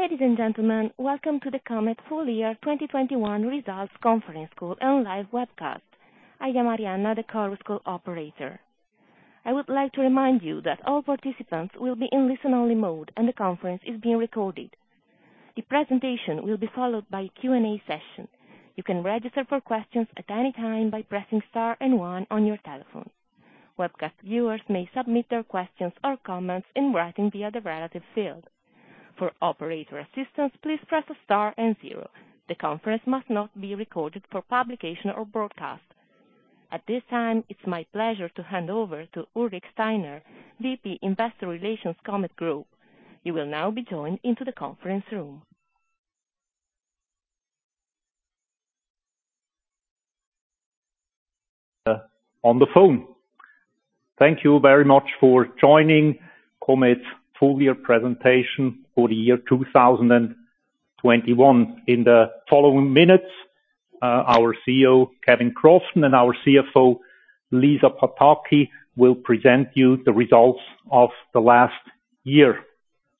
Ladies and gentlemen, welcome to the Comet full year 2021 results conference call and live webcast. I am Arianna, the call operator. I would like to remind you that all participants will be in listen-only mode and the conference is being recorded. The presentation will be followed by a Q&A session. You can register for questions at any time by pressing star and one on your telephone. Webcast viewers may submit their questions or comments in writing via the relative field. For operator assistance, please press star and zero. The conference must not be recorded for publication or broadcast. At this time, it's my pleasure to hand over to Ulrich Steiner, VP Investor Relations, Comet Group. You will now be joined into the conference room. Thank you very much for joining Comet's full year presentation for the year 2021. In the following minutes, our CEO, Kevin Crofton, and our CFO, Lisa Pataki, will present to you the results of the last year.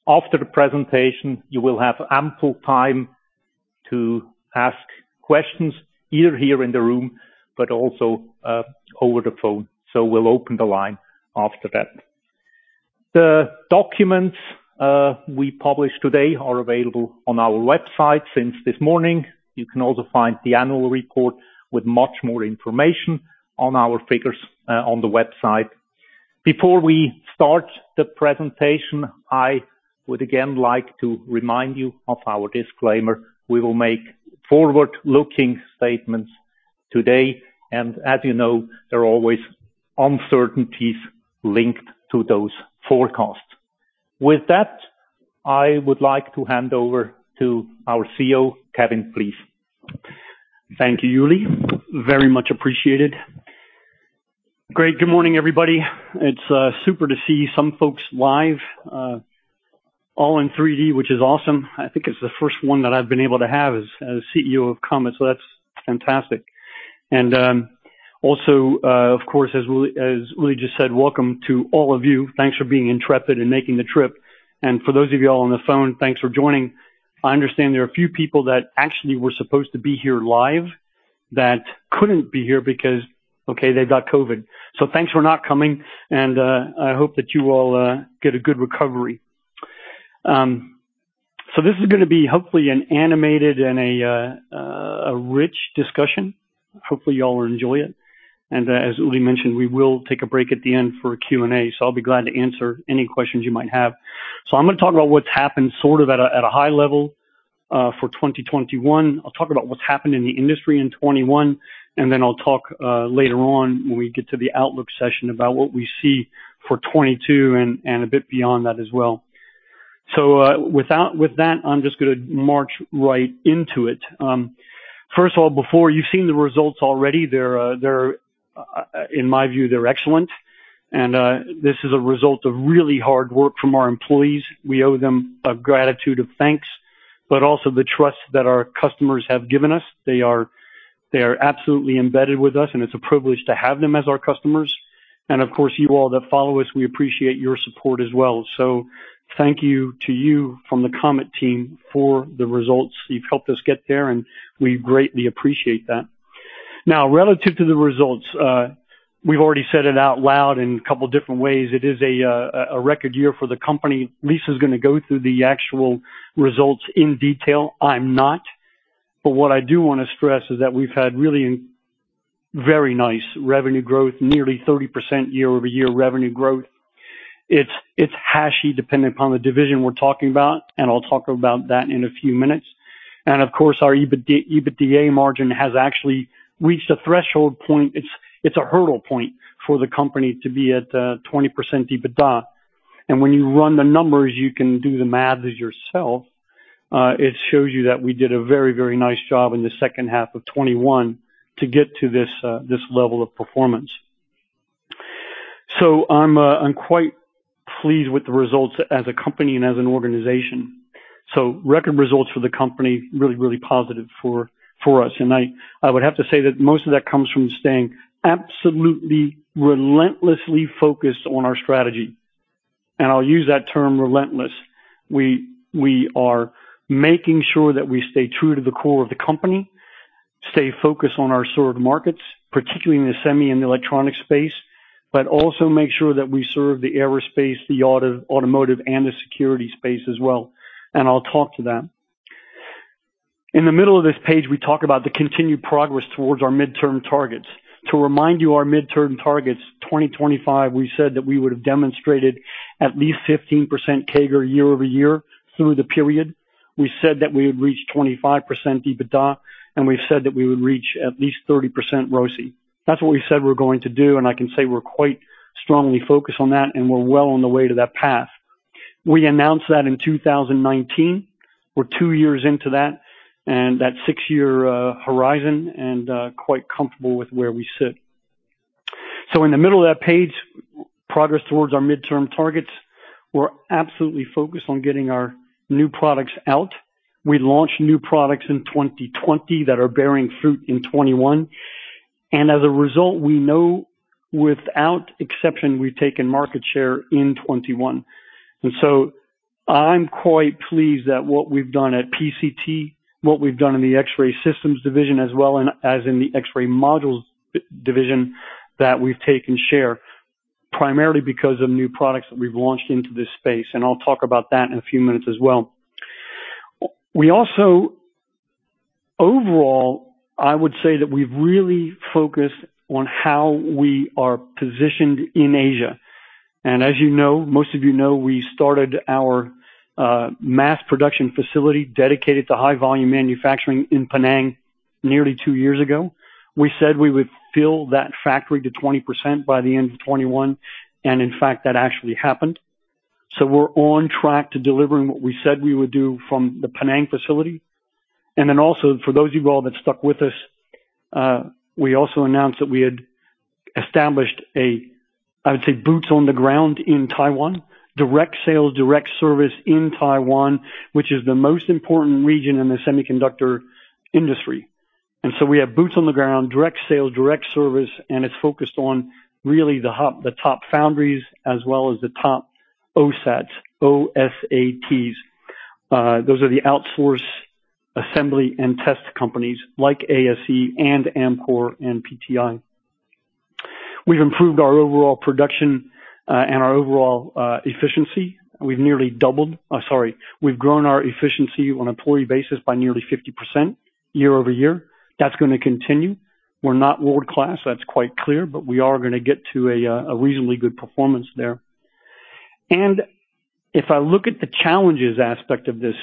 After the presentation, you will have ample time to ask questions either here in the room, but also over the phone. So we'll open the line after that. The documents we publish today are available on our website since this morning. You can also find the annual report with much more information on our figures on the website. Before we start the presentation, I would again like to remind you of our disclaimer. We will make forward-looking statements today, and as you know, there are always uncertainties linked to those forecasts. With that, I would like to hand over to our CEO, Kevin, please. Thank you, Uli. Very much appreciated. Great. Good morning, everybody. It's super to see some folks live all in 3D, which is awesome. I think it's the first one that I've been able to have as CEO of Comet, so that's fantastic. Also, of course, as Uli just said, welcome to all of you. Thanks for being intrepid and making the trip. For those of you all on the phone, thanks for joining. I understand there are a few people that actually were supposed to be here live that couldn't be here because, okay, they've got COVID. Thanks for not coming, and I hope that you all get a good recovery. This is gonna be hopefully an animated and a rich discussion. Hopefully, y'all will enjoy it. As Uli mentioned, we will take a break at the end for Q&A, so I'll be glad to answer any questions you might have. I'm gonna talk about what's happened sort of at a high level for 2021. I'll talk about what's happened in the industry in 2021, and then I'll talk later on when we get to the outlook session about what we see for 2022 and a bit beyond that as well. With that, I'm just gonna march right into it. First of all, before you've seen the results already, they're in my view, they're excellent. This is a result of really hard work from our employees. We owe them a gratitude of thanks, but also the trust that our customers have given us. They are absolutely embedded with us and it's a privilege to have them as our customers. Of course, you all that follow us, we appreciate your support as well. Thank you to you from the Comet team for the results. You've helped us get there, and we greatly appreciate that. Now, relative to the results, we've already said it out loud in a couple different ways. It is a record year for the company. Lisa's gonna go through the actual results in detail. I'm not. What I do wanna stress is that we've had really very nice revenue growth, nearly 30% year-over-year revenue growth. It's heavily dependent upon the division we're talking about, and I'll talk about that in a few minutes. Of course, our EBITDA margin has actually reached a threshold point. It's a hurdle point for the company to be at 20% EBITDA. When you run the numbers, you can do the math yourself, it shows you that we did a very, very nice job in the second half of 2021 to get to this level of performance. I'm quite pleased with the results as a company and as an organization. Record results for the company, really, really positive for us. I would have to say that most of that comes from staying absolutely relentlessly focused on our strategy. I'll use that term relentless. We are making sure that we stay true to the core of the company, stay focused on our served markets, particularly in the semi and electronic space, but also make sure that we serve the aerospace, the automotive, and the security space as well. I'll talk to that. In the middle of this page, we talk about the continued progress towards our midterm targets. To remind you, our midterm targets, 2025, we said that we would have demonstrated at least 15% CAGR year-over-year through the period. We said that we would reach 25% EBITDA, and we said that we would reach at least 30% ROCE. That's what we said we're going to do, and I can say we're quite strongly focused on that, and we're well on the way to that path. We announced that in 2019. We're two years into that, and that six-year horizon and quite comfortable with where we sit. In the middle of that page, progress towards our midterm targets, we're absolutely focused on getting our new products out. We launched new products in 2020 that are bearing fruit in 2021. As a result, we know without exception we've taken market share in 2021. I'm quite pleased at what we've done at PCT, what we've done in the X-Ray Systems division as well as in the X-Ray Modules division that we've taken share, primarily because of new products that we've launched into this space, and I'll talk about that in a few minutes as well. Overall, I would say that we've really focused on how we are positioned in Asia. As you know, most of you know, we started our mass production facility dedicated to high volume manufacturing in Penang nearly two years ago. We said we would fill that factory to 20% by the end of 2021, and in fact, that actually happened. We're on track to delivering what we said we would do from the Penang facility. For those of you all that stuck with us, we also announced that we had established a, I would say, boots on the ground in Taiwan, direct sales, direct service in Taiwan, which is the most important region in the semiconductor industry. We have boots on the ground, direct sales, direct service, and it's focused on really the top foundries as well as the top OSATs. Those are the outsource assembly and test companies like ASE and Amkor and PTI. We've improved our overall production and our overall efficiency. We've grown our efficiency on employee basis by nearly 50% year-over-year. That's gonna continue. We're not world-class, that's quite clear, but we are gonna get to a reasonably good performance there. If I look at the challenges aspect of this,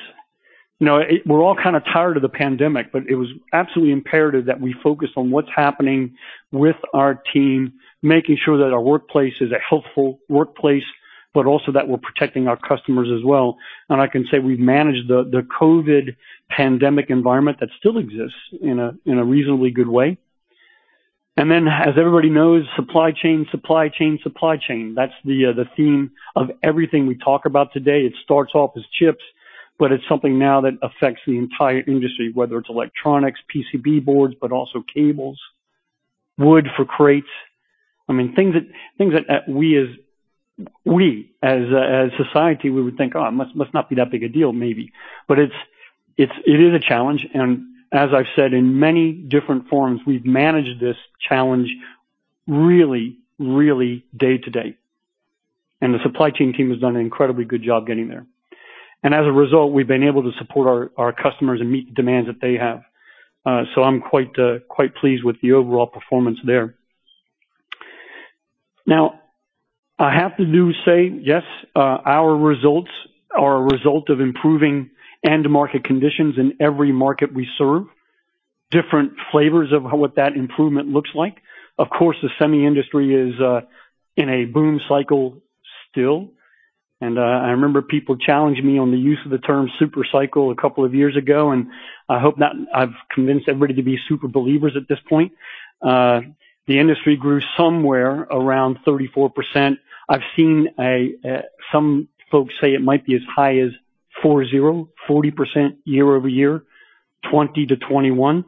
you know, it, we're all kind of tired of the pandemic, but it was absolutely imperative that we focus on what's happening with our team, making sure that our workplace is a healthful workplace, but also that we're protecting our customers as well. I can say we've managed the COVID pandemic environment that still exists in a reasonably good way. As everybody knows, supply chain. That's the theme of everything we talk about today. It starts off as chips, but it's something now that affects the entire industry, whether it's electronics, PCB boards, but also cables, wood for crates. I mean things that we as society would think, "Oh, must not be that big a deal maybe." But it's a challenge, and as I've said in many different forums, we've managed this challenge really day to day. The supply chain team has done an incredibly good job getting there. As a result, we've been able to support our customers and meet the demands that they have. I'm quite pleased with the overall performance there. Now, I have to say, yes, our results are a result of improving end market conditions in every market we serve, different flavors of what that improvement looks like. Of course, the semi industry is in a boom cycle still. I remember people challenged me on the use of the term super cycle a couple of years ago, and I hope now I've convinced everybody to be super believers at this point. The industry grew somewhere around 34%. I've seen some folks say it might be as high as 40% year-over-year, 2020 to 2021.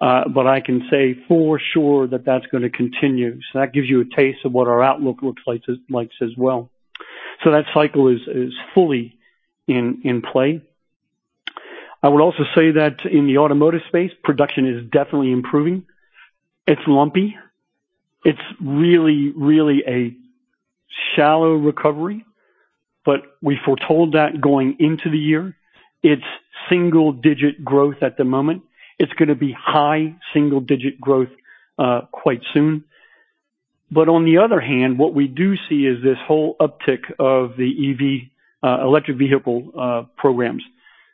I can say for sure that that's gonna continue. That gives you a taste of what our outlook looks like as well. That cycle is fully in play. I would also say that in the automotive space, production is definitely improving. It's lumpy. It's really a shallow recovery, but we foretold that going into the year. It's single-digit growth at the moment. It's gonna be high single-digit growth quite soon. On the other hand, what we do see is this whole uptick of the EV, electric vehicle, programs.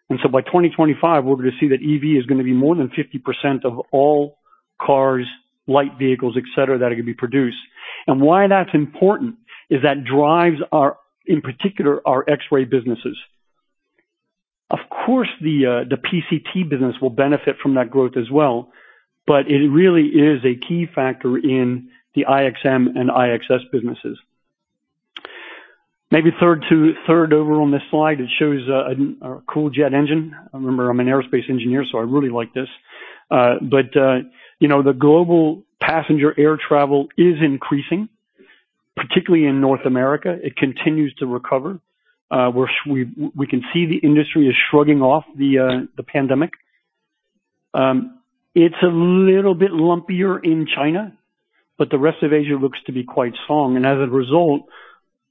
By 2025, we're gonna see that EV is gonna be more than 50% of all cars, light vehicles, et cetera, that are gonna be produced. Why that's important is that drives our, in particular, our X-ray businesses. Of course, the PCT business will benefit from that growth as well, but it really is a key factor in the IXM and IXS businesses. Maybe third to. Third over on this slide, it shows our cool jet engine. Remember, I'm an aerospace engineer, so I really like this. You know, the global passenger air travel is increasing, particularly in North America. It continues to recover. We can see the industry is shrugging off the pandemic. It's a little bit lumpier in China, but the rest of Asia looks to be quite strong. As a result,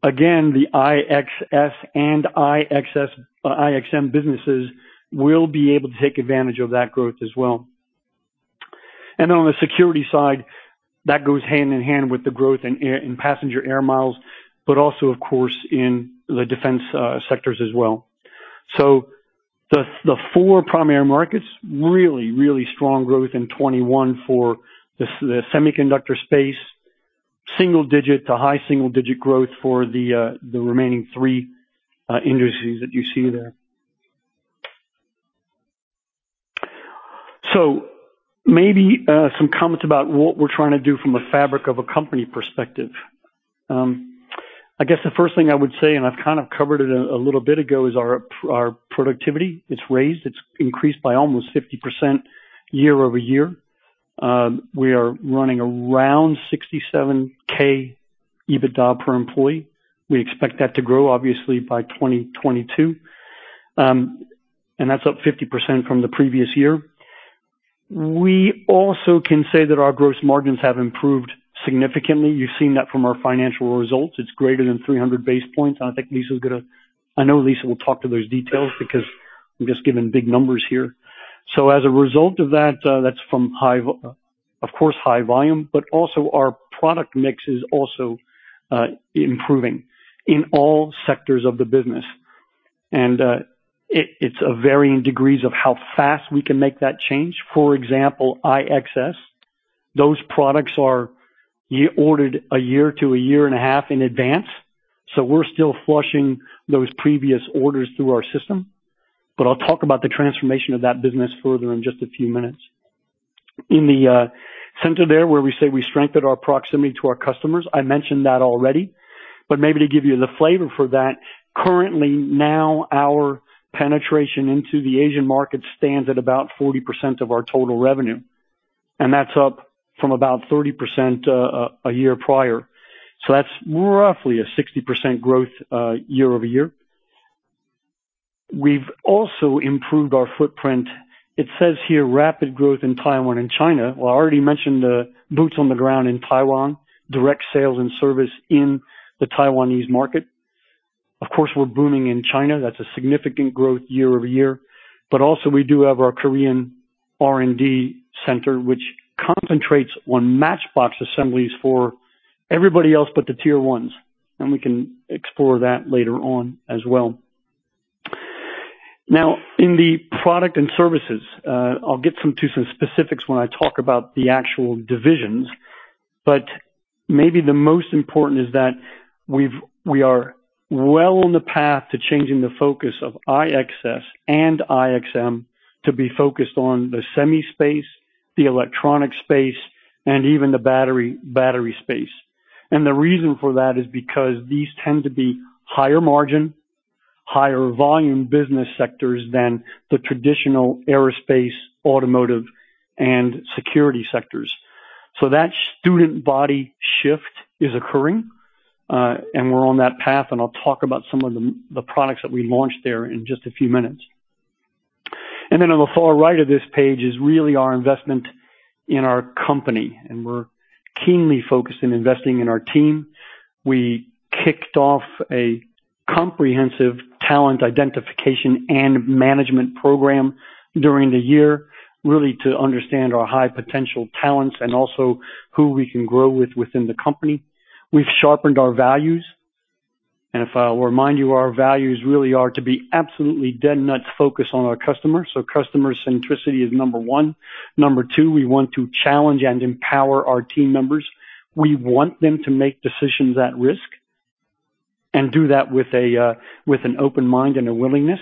again, the IXS and IXM businesses will be able to take advantage of that growth as well. On the security side, that goes hand in hand with the growth in passenger air miles, but also of course in the defense sectors as well. The four primary markets really strong growth in 2021 for the semiconductor space. Single-digit to high single-digit growth for the remaining 3 industries that you see there. Maybe some comments about what we're trying to do from a fabric of a company perspective. I guess the first thing I would say, and I've kind of covered it a little bit ago, is our productivity. It's increased by almost 50% year-over-year. We are running around 67,000 EBITDA per employee. We expect that to grow obviously by 2022, and that's up 50% from the previous year. We also can say that our gross margins have improved significantly. You've seen that from our financial results. It's greater than 300 basis points, and I think Lisa's gonna. I know Lisa will talk to those details because I'm just giving big numbers here. As a result of that's from high, of course, high volume, but also our product mix is also improving in all sectors of the business. It's a varying degrees of how fast we can make that change. For example, IXS, those products are ordered a year to a year and a half in advance, so we're still flushing those previous orders through our system. I'll talk about the transformation of that business further in just a few minutes. In the center there, where we say we strengthened our proximity to our customers, I mentioned that already, but maybe to give you the flavor for that, currently now our penetration into the Asian market stands at about 40% of our total revenue, and that's up from about 30% a year prior. That's roughly 60% growth year-over-year. We've also improved our footprint. It says here rapid growth in Taiwan and China. Well, I already mentioned the boots on the ground in Taiwan, direct sales and service in the Taiwanese market. Of course, we're booming in China. That's a significant growth year-over-year. But also we do have our Korean R&D center, which concentrates on match box assemblies for everybody else but the tier ones, and we can explore that later on as well. Now, in the product and services, I'll get to some specifics when I talk about the actual divisions, but maybe the most important is that we are well on the path to changing the focus of IXS and IXM to be focused on the semi space, the electronic space, and even the battery space. The reason for that is because these tend to be higher margin, higher volume business sectors than the traditional aerospace, automotive, and security sectors. That customer base shift is occurring, and we're on that path, and I'll talk about some of the products that we launched there in just a few minutes. Then on the far right of this page is really our investment in our company, and we're keenly focused in investing in our team. We kicked off a comprehensive talent identification and management program during the year, really to understand our high potential talents and also who we can grow with within the company. We've sharpened our values, and if I'll remind you, our values really are to be absolutely dead nuts focused on our customers. Customer centricity is number one. Number two, we want to challenge and empower our team members. We want them to make decisions at risk and do that with an open mind and a willingness.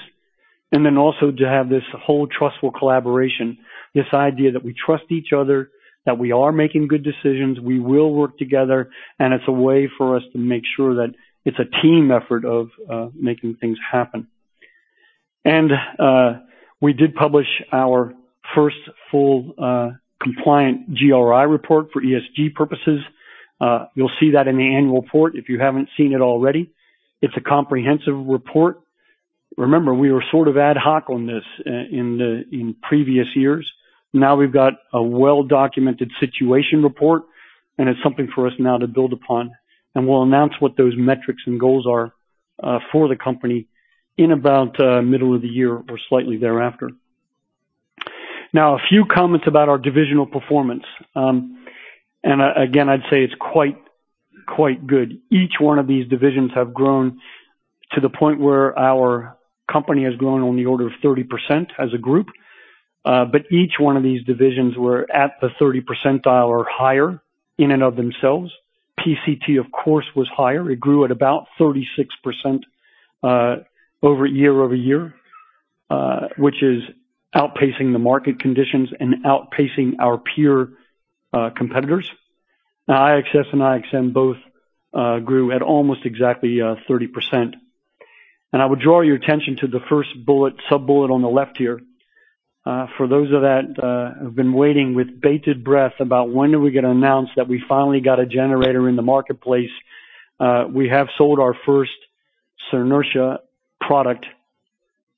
Then also to have this whole trustful collaboration, this idea that we trust each other, that we are making good decisions, we will work together, and it's a way for us to make sure that it's a team effort of making things happen. We did publish our first full compliant GRI report for ESG purposes. You'll see that in the annual report if you haven't seen it already. It's a comprehensive report. Remember, we were sort of ad hoc on this in previous years. Now we've got a well-documented situation report, and it's something for us now to build upon. We'll announce what those metrics and goals are, for the company in about middle of the year or slightly thereafter. Now, a few comments about our divisional performance. Again, I'd say it's quite good. Each one of these divisions have grown to the point where our company has grown on the order of 30% as a group. But each one of these divisions were at the 30% or higher in and of themselves. PCT, of course, was higher. It grew at about 36%, year-over-year, which is outpacing the market conditions and outpacing our peer competitors. Now IXS and IXM both grew at almost exactly 30%. I would draw your attention to the first bullet, sub-bullet on the left here. For those that have been waiting with bated breath about when are we gonna announce that we finally got a generator in the marketplace, we have sold our first Synertia product.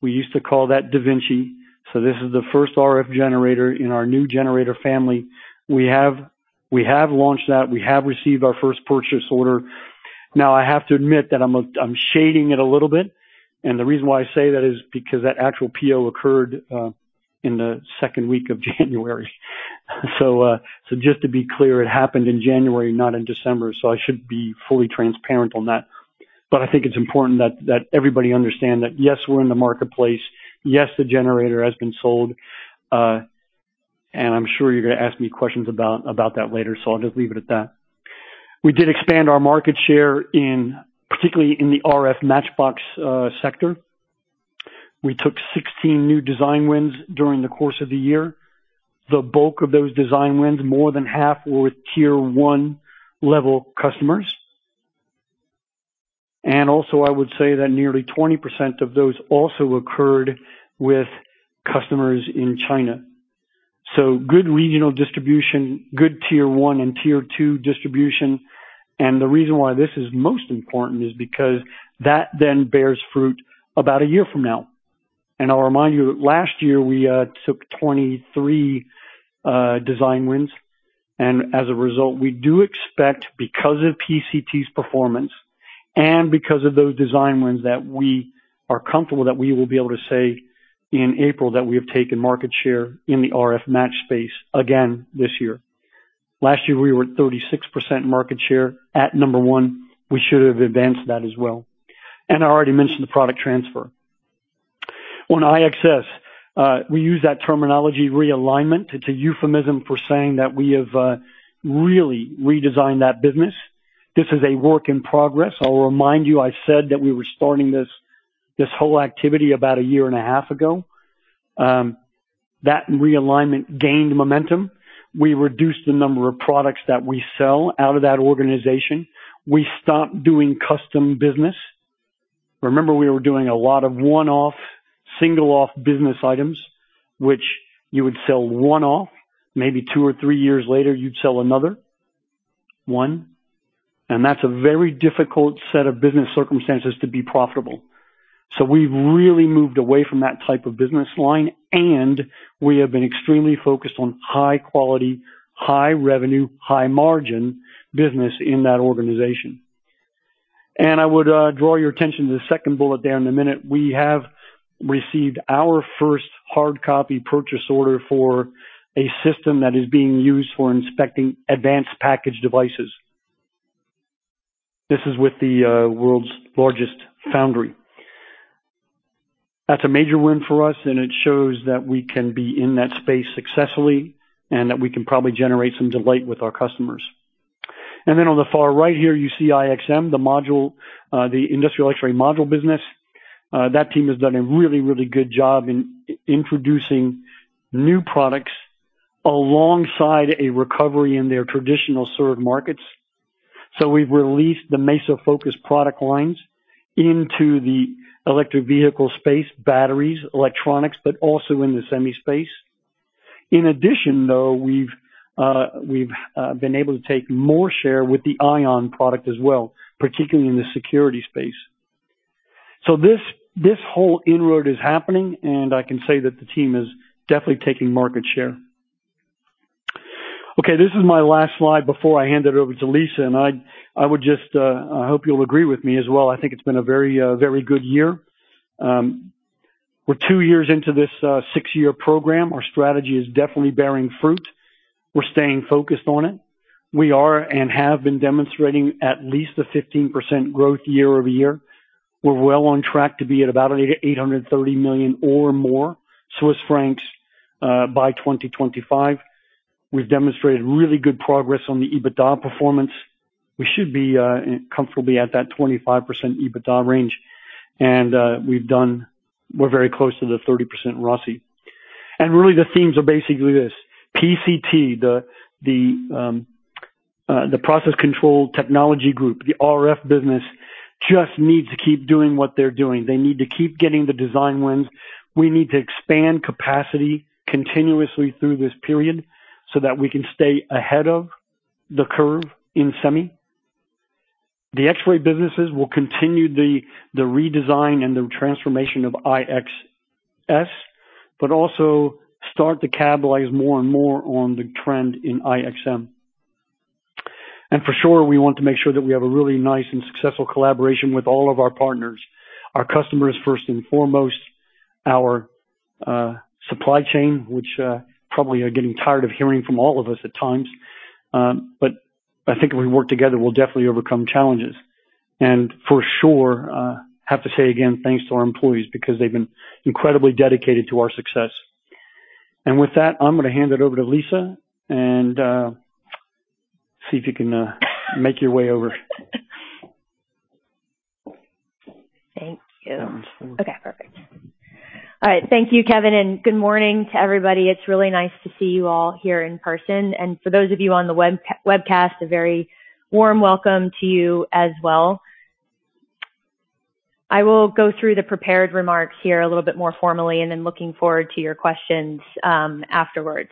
We used to call that DaVinci. This is the first RF generator in our new generator family. We have launched that. We have received our first purchase order. Now, I have to admit that I'm shading it a little bit, and the reason why I say that is because that actual PO occurred in the second week of January. Just to be clear, it happened in January, not in December, so I should be fully transparent on that. I think it's important that everybody understand that, yes, we're in the marketplace, yes, the generator has been sold. I'm sure you're gonna ask me questions about that later, so I'll just leave it at that. We did expand our market share in particularly in the RF match box sector. We took 16 new design wins during the course of the year. The bulk of those design wins, more than half, were with Tier One level customers. Also, I would say that nearly 20% of those also occurred with customers in China. Good regional distribution, good Tier One and Tier Two distribution. The reason why this is most important is because that then bears fruit about a year from now. I'll remind you that last year, we took 23 design wins. As a result, we do expect because of PCT's performance and because of those design wins, that we are comfortable that we will be able to say in April that we have taken market share in the RF match space again this year. Last year, we were at 36% market share at number one. We should have advanced that as well. I already mentioned the product transfer. On IXS, we use that terminology realignment. It's a euphemism for saying that we have really redesigned that business. This is a work in progress. I'll remind you, I said that we were starting this whole activity about a year and a half ago. That realignment gained momentum. We reduced the number of products that we sell out of that organization. We stopped doing custom business. Remember, we were doing a lot of one-off, single off business items, which you would sell one-off. Maybe two or three years later, you'd sell another one. That's a very difficult set of business circumstances to be profitable. We've really moved away from that type of business line, and we have been extremely focused on high quality, high revenue, high margin business in that organization. I would draw your attention to the second bullet there in a minute. We have received our first hard copy purchase order for a system that is being used for inspecting advanced packaging devices. This is with the world's largest foundry. That's a major win for us, and it shows that we can be in that space successfully and that we can probably generate some delight with our customers. Then on the far right here, you see IXM, the module, the industrial X-ray module business. That team has done a really good job in introducing new products alongside a recovery in their traditional served markets. We've released the MesoFocus product lines into the electric vehicle space, batteries, electronics, but also in the semi space. In addition, though, we've been able to take more share with the ION product as well, particularly in the security space. This whole inroad is happening, and I can say that the team is definitely taking market share. Okay, this is my last slide before I hand it over to Lisa. I would just hope you'll agree with me as well. I think it's been a very good year. We're two years into this six-year program. Our strategy is definitely bearing fruit. We're staying focused on it. We are and have been demonstrating at least a 15% growth year-over-year. We're well on track to be at about 830 million or more by 2025. We've demonstrated really good progress on the EBITDA performance. We should be comfortably at that 25% EBITDA range. We're very close to the 30% ROCE. Really, the themes are basically this, PCT, the Plasma Control Technologies group, the RF business, just needs to keep doing what they're doing. They need to keep getting the design wins. We need to expand capacity continuously through this period so that we can stay ahead of the curve in semi. The X-ray businesses will continue the redesign and the transformation of IXS, but also start to capitalize more and more on the trend in IXM. For sure, we want to make sure that we have a really nice and successful collaboration with all of our partners, our customers, first and foremost, our supply chain, which probably are getting tired of hearing from all of us at times. I think if we work together, we'll definitely overcome challenges. For sure, have to say again, thanks to our employees, because they've been incredibly dedicated to our success. With that, I'm gonna hand it over to Lisa and see if you can make your way over. Thank you. Okay, perfect. All right. Thank you, Kevin, and good morning to everybody. It's really nice to see you all here in person. For those of you on the webcast, a very warm welcome to you as well. I will go through the prepared remarks here a little bit more formally, and then looking forward to your questions afterwards.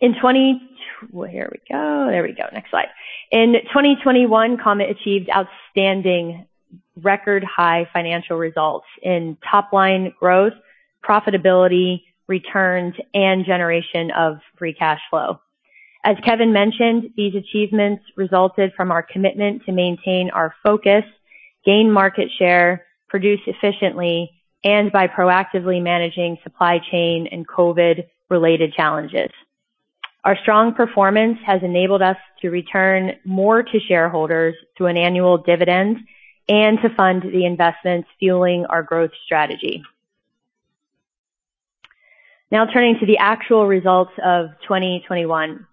In 2021, Comet achieved outstanding record high financial results in top line growth, profitability, returns, and generation of free cash flow. As Kevin mentioned, these achievements resulted from our commitment to maintain our focus, gain market share, produce efficiently, and by proactively managing supply chain and COVID-related challenges. Our strong performance has enabled us to return more to shareholders through an annual dividend and to fund the investments fueling our growth strategy. Now turning to the actual results of 2021.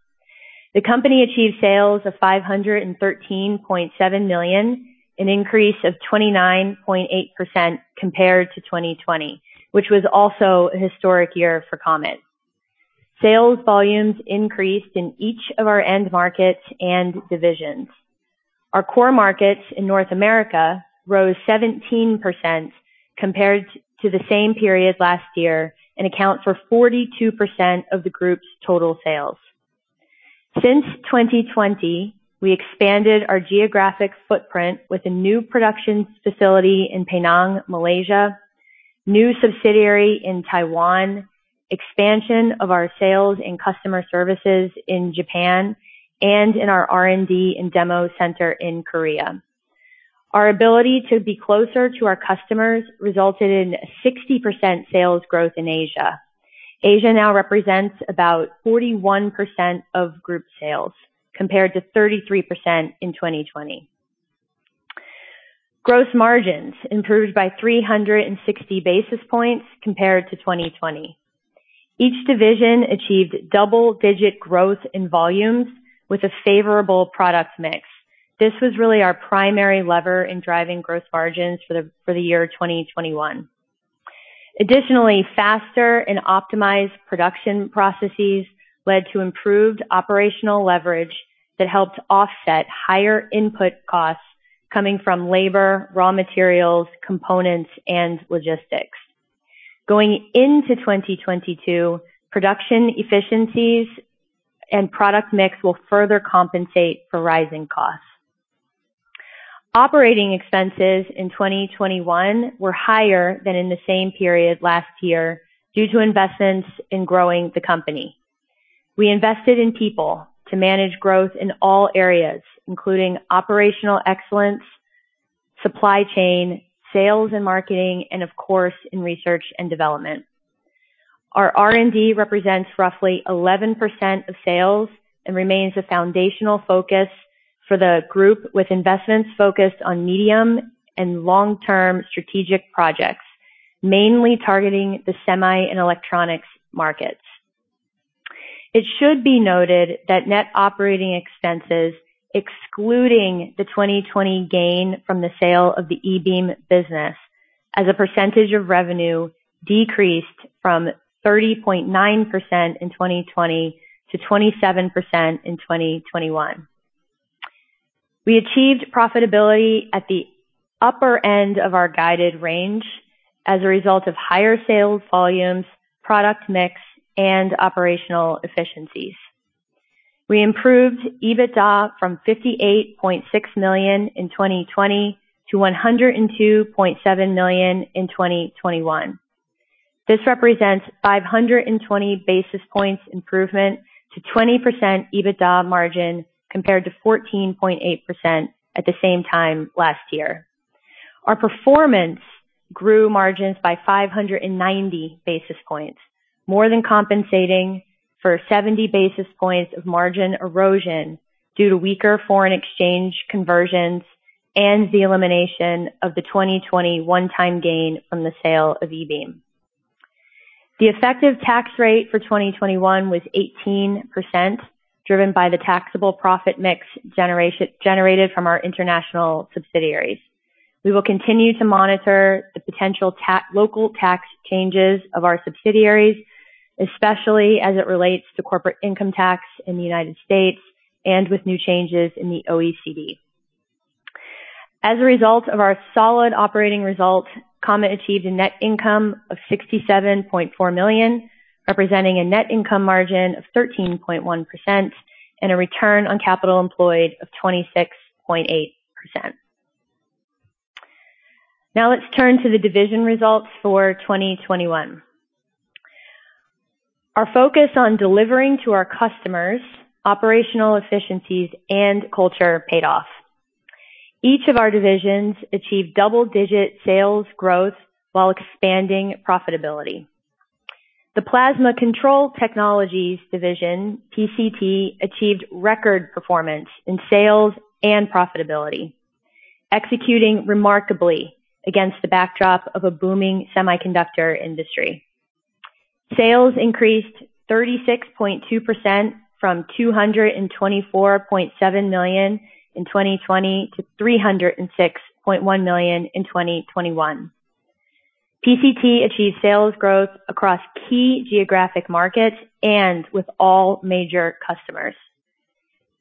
The company achieved sales of 513.7 million, an increase of 29.8% compared to 2020, which was also a historic year for Comet. Sales volumes increased in each of our end markets and divisions. Our core markets in North America rose 17% compared to the same period last year, and account for 42% of the group's total sales. Since 2020, we expanded our geographic footprint with a new production facility in Penang, Malaysia, new subsidiary in Taiwan, expansion of our sales and customer services in Japan, and in our R&D and demo center in Korea. Our ability to be closer to our customers resulted in 60% sales growth in Asia. Asia now represents about 41% of group sales, compared to 33% in 2020. Gross margins improved by 360 basis points compared to 2020. Each division achieved double-digit growth in volumes with a favorable product mix. This was really our primary lever in driving gross margins for the year 2021. Additionally, faster and optimized production processes led to improved operational leverage that helped offset higher input costs coming from labor, raw materials, components, and logistics. Going into 2022, production efficiencies and product mix will further compensate for rising costs. Operating expenses in 2021 were higher than in the same period last year due to investments in growing the company. We invested in people to manage growth in all areas, including operational excellence, supply chain, sales and marketing, and of course, in research and development. Our R&D represents roughly 11% of sales and remains a foundational focus for the group, with investments focused on medium and long-term strategic projects, mainly targeting the semi and electronics markets. It should be noted that net operating expenses, excluding the 2020 gain from the sale of the ebeam business, as a percentage of revenue, decreased from 30.9% in 2020 to 27% in 2021. We achieved profitability at the upper end of our guided range as a result of higher sales volumes, product mix, and operational efficiencies. We improved EBITDA from 58.6 million in 2020 to 102.7 million in 2021. This represents 520 basis points improvement to 20% EBITDA margin compared to 14.8% at the same time last year. Our performance grew margins by 590 basis points, more than compensating for 70 basis points of margin erosion due to weaker foreign exchange conversions and the elimination of the 2021 one-time gain from the sale of ebeam. The effective tax rate for 2021 was 18%, driven by the taxable profit mix generated from our international subsidiaries. We will continue to monitor the potential local tax changes of our subsidiaries, especially as it relates to corporate income tax in the United States and with new changes in the OECD. As a result of our solid operating results, Comet achieved a net income of 67.4 million, representing a net income margin of 13.1% and a return on capital employed of 26.8%. Now let's turn to the division results for 2021. Our focus on delivering to our customers operational efficiencies and culture paid off. Each of our divisions achieved double-digit sales growth while expanding profitability. The Plasma Control Technologies division, PCT, achieved record performance in sales and profitability, executing remarkably against the backdrop of a booming semiconductor industry. Sales increased 36.2% from 224.7 million in 2020 to 306.1 million in 2021. PCT achieved sales growth across key geographic markets and with all major customers.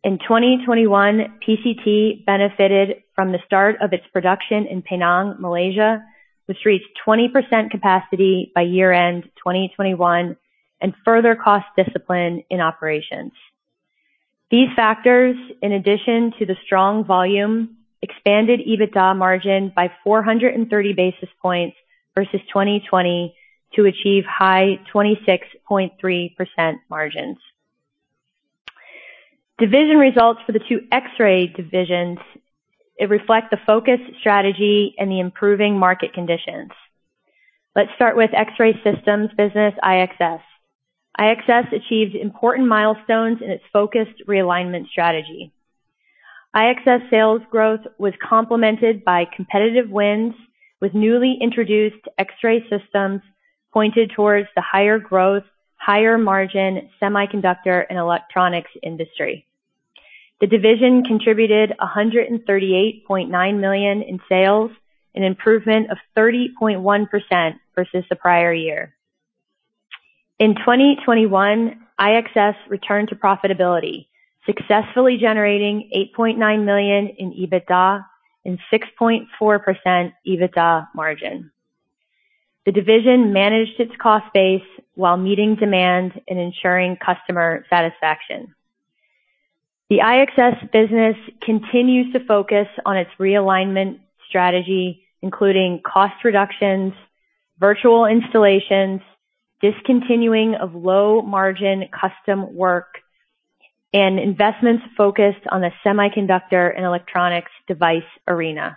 In 2021, PCT benefited from the start of its production in Penang, Malaysia, which reached 20% capacity by year-end 2021, and further cost discipline in operations. These factors, in addition to the strong volume, expanded EBITDA margin by 430 basis points versus 2020 to achieve high 26.3% margins. Division results for the two X-ray divisions reflect the focus, strategy, and the improving market conditions. Let's start with X-ray Systems business, IXS. IXS achieved important milestones in its focused realignment strategy. IXS sales growth was complemented by competitive wins with newly introduced X-ray systems pointed towards the higher growth, higher margin semiconductor and electronics industry. The division contributed 138.9 million in sales, an improvement of 30.1% versus the prior year. In 2021, IXS returned to profitability, successfully generating 8.9 million in EBITDA and 6.4% EBITDA margin. The division managed its cost base while meeting demand and ensuring customer satisfaction. The IXS business continues to focus on its realignment strategy, including cost reductions, virtual installations, discontinuing of low margin custom work, and investments focused on the semiconductor and electronics device arena.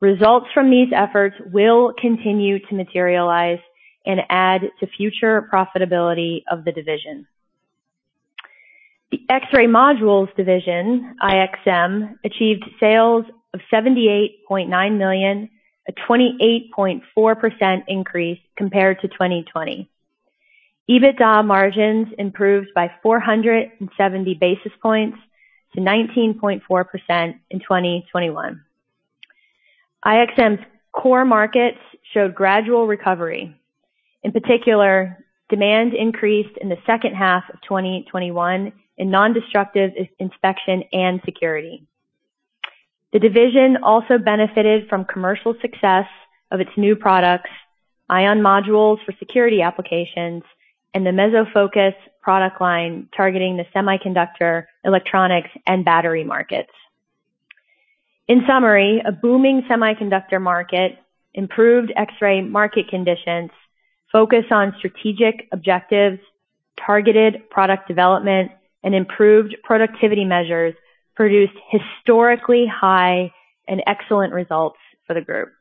Results from these efforts will continue to materialize and add to future profitability of the division. The X-ray modules division, IXM, achieved sales of 78.9 million, a 28.4% increase compared to 2020. EBITDA margins improved by 470 basis points to 19.4% in 2021. IXM's core markets showed gradual recovery. In particular, demand increased in the second half of 2021 in nondestructive inspection and security. The division also benefited from commercial success of its new products, ION modules for security applications, and the MesoFocus product line targeting the semiconductor, electronics, and battery markets. In summary, a booming semiconductor market improved X-ray market conditions. Focus on strategic objectives, targeted product development, and improved productivity measures produced historically high and excellent results for the group.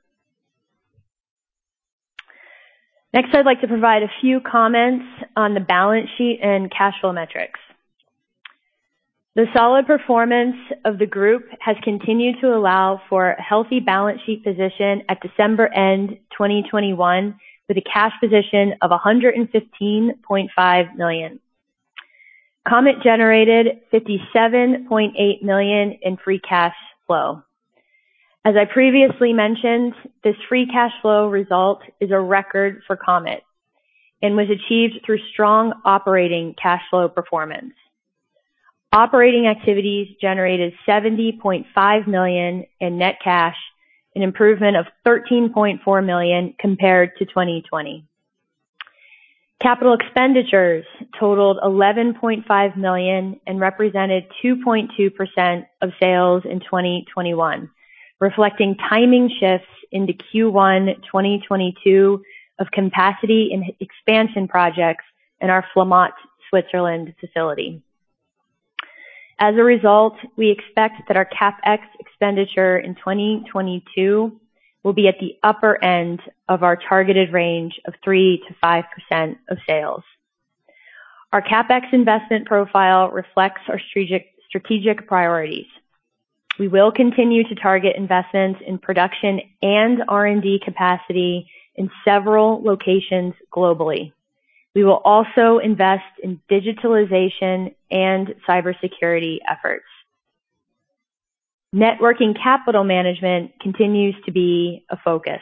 Next, I'd like to provide a few comments on the balance sheet and cash flow metrics. The solid performance of the group has continued to allow for a healthy balance sheet position at year-end 2021, with a cash position of 115.5 million. Comet generated 57.8 million in free cash flow. As I previously mentioned, this free cash flow result is a record for Comet and was achieved through strong operating cash flow performance. Operating activities generated 70.5 million in net cash, an improvement of 13.4 million compared to 2020. Capital expenditures totaled 11.5 million and represented 2.2% of sales in 2021, reflecting timing shifts into Q1 2022 of capacity and expansion projects in our Flamatt, Switzerland facility. As a result, we expect that our CapEx expenditure in 2022 will be at the upper end of our targeted range of 3%-5% of sales. Our CapEx investment profile reflects our strategic priorities. We will continue to target investments in production and R&D capacity in several locations globally. We will also invest in digitalization and cybersecurity efforts. Net working capital management continues to be a focus.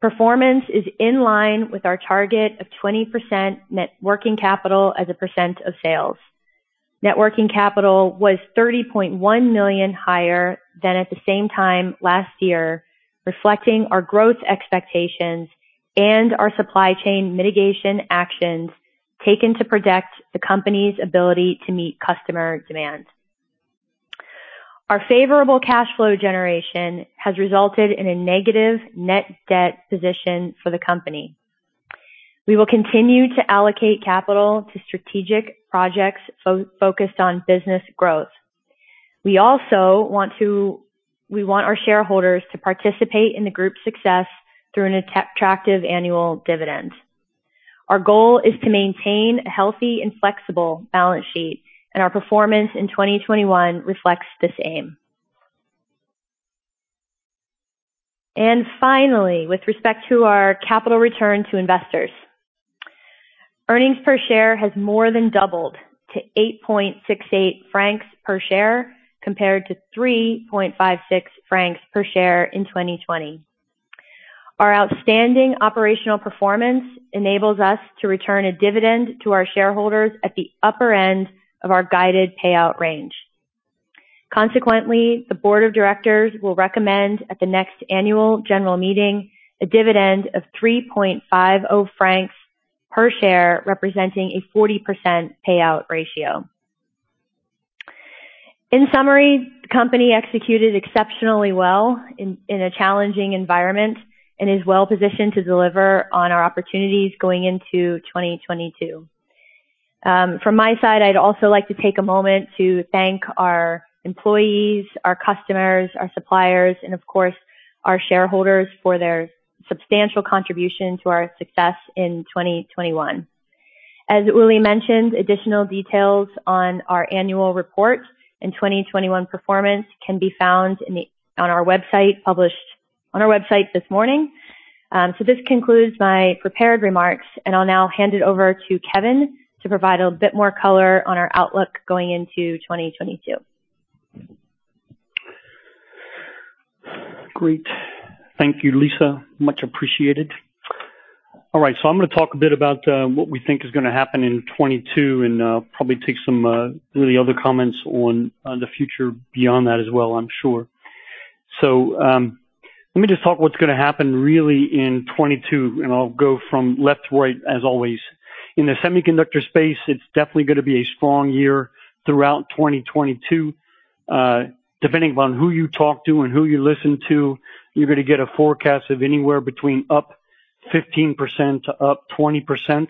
Performance is in line with our target of 20% net working capital as a percent of sales. Net working capital was 30.1 million higher than at the same time last year, reflecting our growth expectations and our supply chain mitigation actions taken to protect the company's ability to meet customer demand. Our favorable cash flow generation has resulted in a negative net debt position for the company. We will continue to allocate capital to strategic projects focused on business growth. We also want our shareholders to participate in the group's success through an attractive annual dividend. Our goal is to maintain a healthy and flexible balance sheet, and our performance in 2021 reflects the same. Finally, with respect to our capital return to investors, earnings per share has more than doubled to 8.68 francs per share, compared to 3.56 francs per share in 2020. Our outstanding operational performance enables us to return a dividend to our shareholders at the upper end of our guided payout range. Consequently, the board of directors will recommend at the next annual general meeting a dividend of 3.50 francs per share, representing a 40% payout ratio. In summary, the company executed exceptionally well in a challenging environment and is well-positioned to deliver on our opportunities going into 2022. From my side, I'd also like to take a moment to thank our employees, our customers, our suppliers, and of course, our shareholders for their substantial contribution to our success in 2021. As Uli mentioned, additional details on our annual report and 2021 performance can be found on our website, published on our website this morning. This concludes my prepared remarks, and I'll now hand it over to Kevin to provide a bit more color on our outlook going into 2022. Great. Thank you, Lisa. Much appreciated. All right, I'm gonna talk a bit about what we think is gonna happen in 2022 and probably take some really other comments on the future beyond that as well, I'm sure. Let me just talk what's gonna happen really in 2022, and I'll go from left to right as always. In the semiconductor space, it's definitely gonna be a strong year throughout 2022. Depending on who you talk to and who you listen to, you're gonna get a forecast of anywhere between 15%-20%.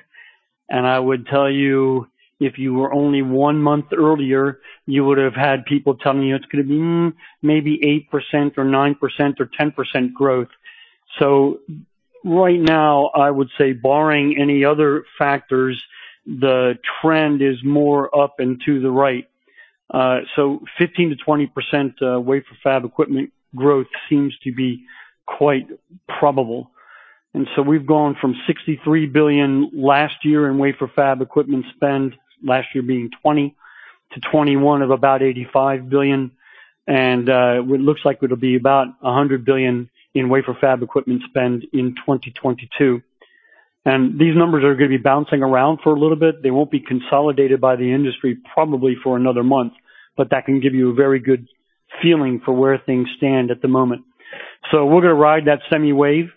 I would tell you if you were only one month earlier, you would have had people telling you it's gonna be maybe 8%, 9%, or 10% growth. Right now, I would say barring any other factors, the trend is more up and to the right. 15%-20% wafer fab equipment growth seems to be quite probable. We've gone from $63 billion last year in wafer fab equipment spend, last year being 2020 to 2021 of about $85 billion, and it looks like it'll be about $100 billion in wafer fab equipment spend in 2022. These numbers are gonna be bouncing around for a little bit. They won't be consolidated by the industry probably for another month, but that can give you a very good feeling for where things stand at the moment. We're gonna ride that semi wave.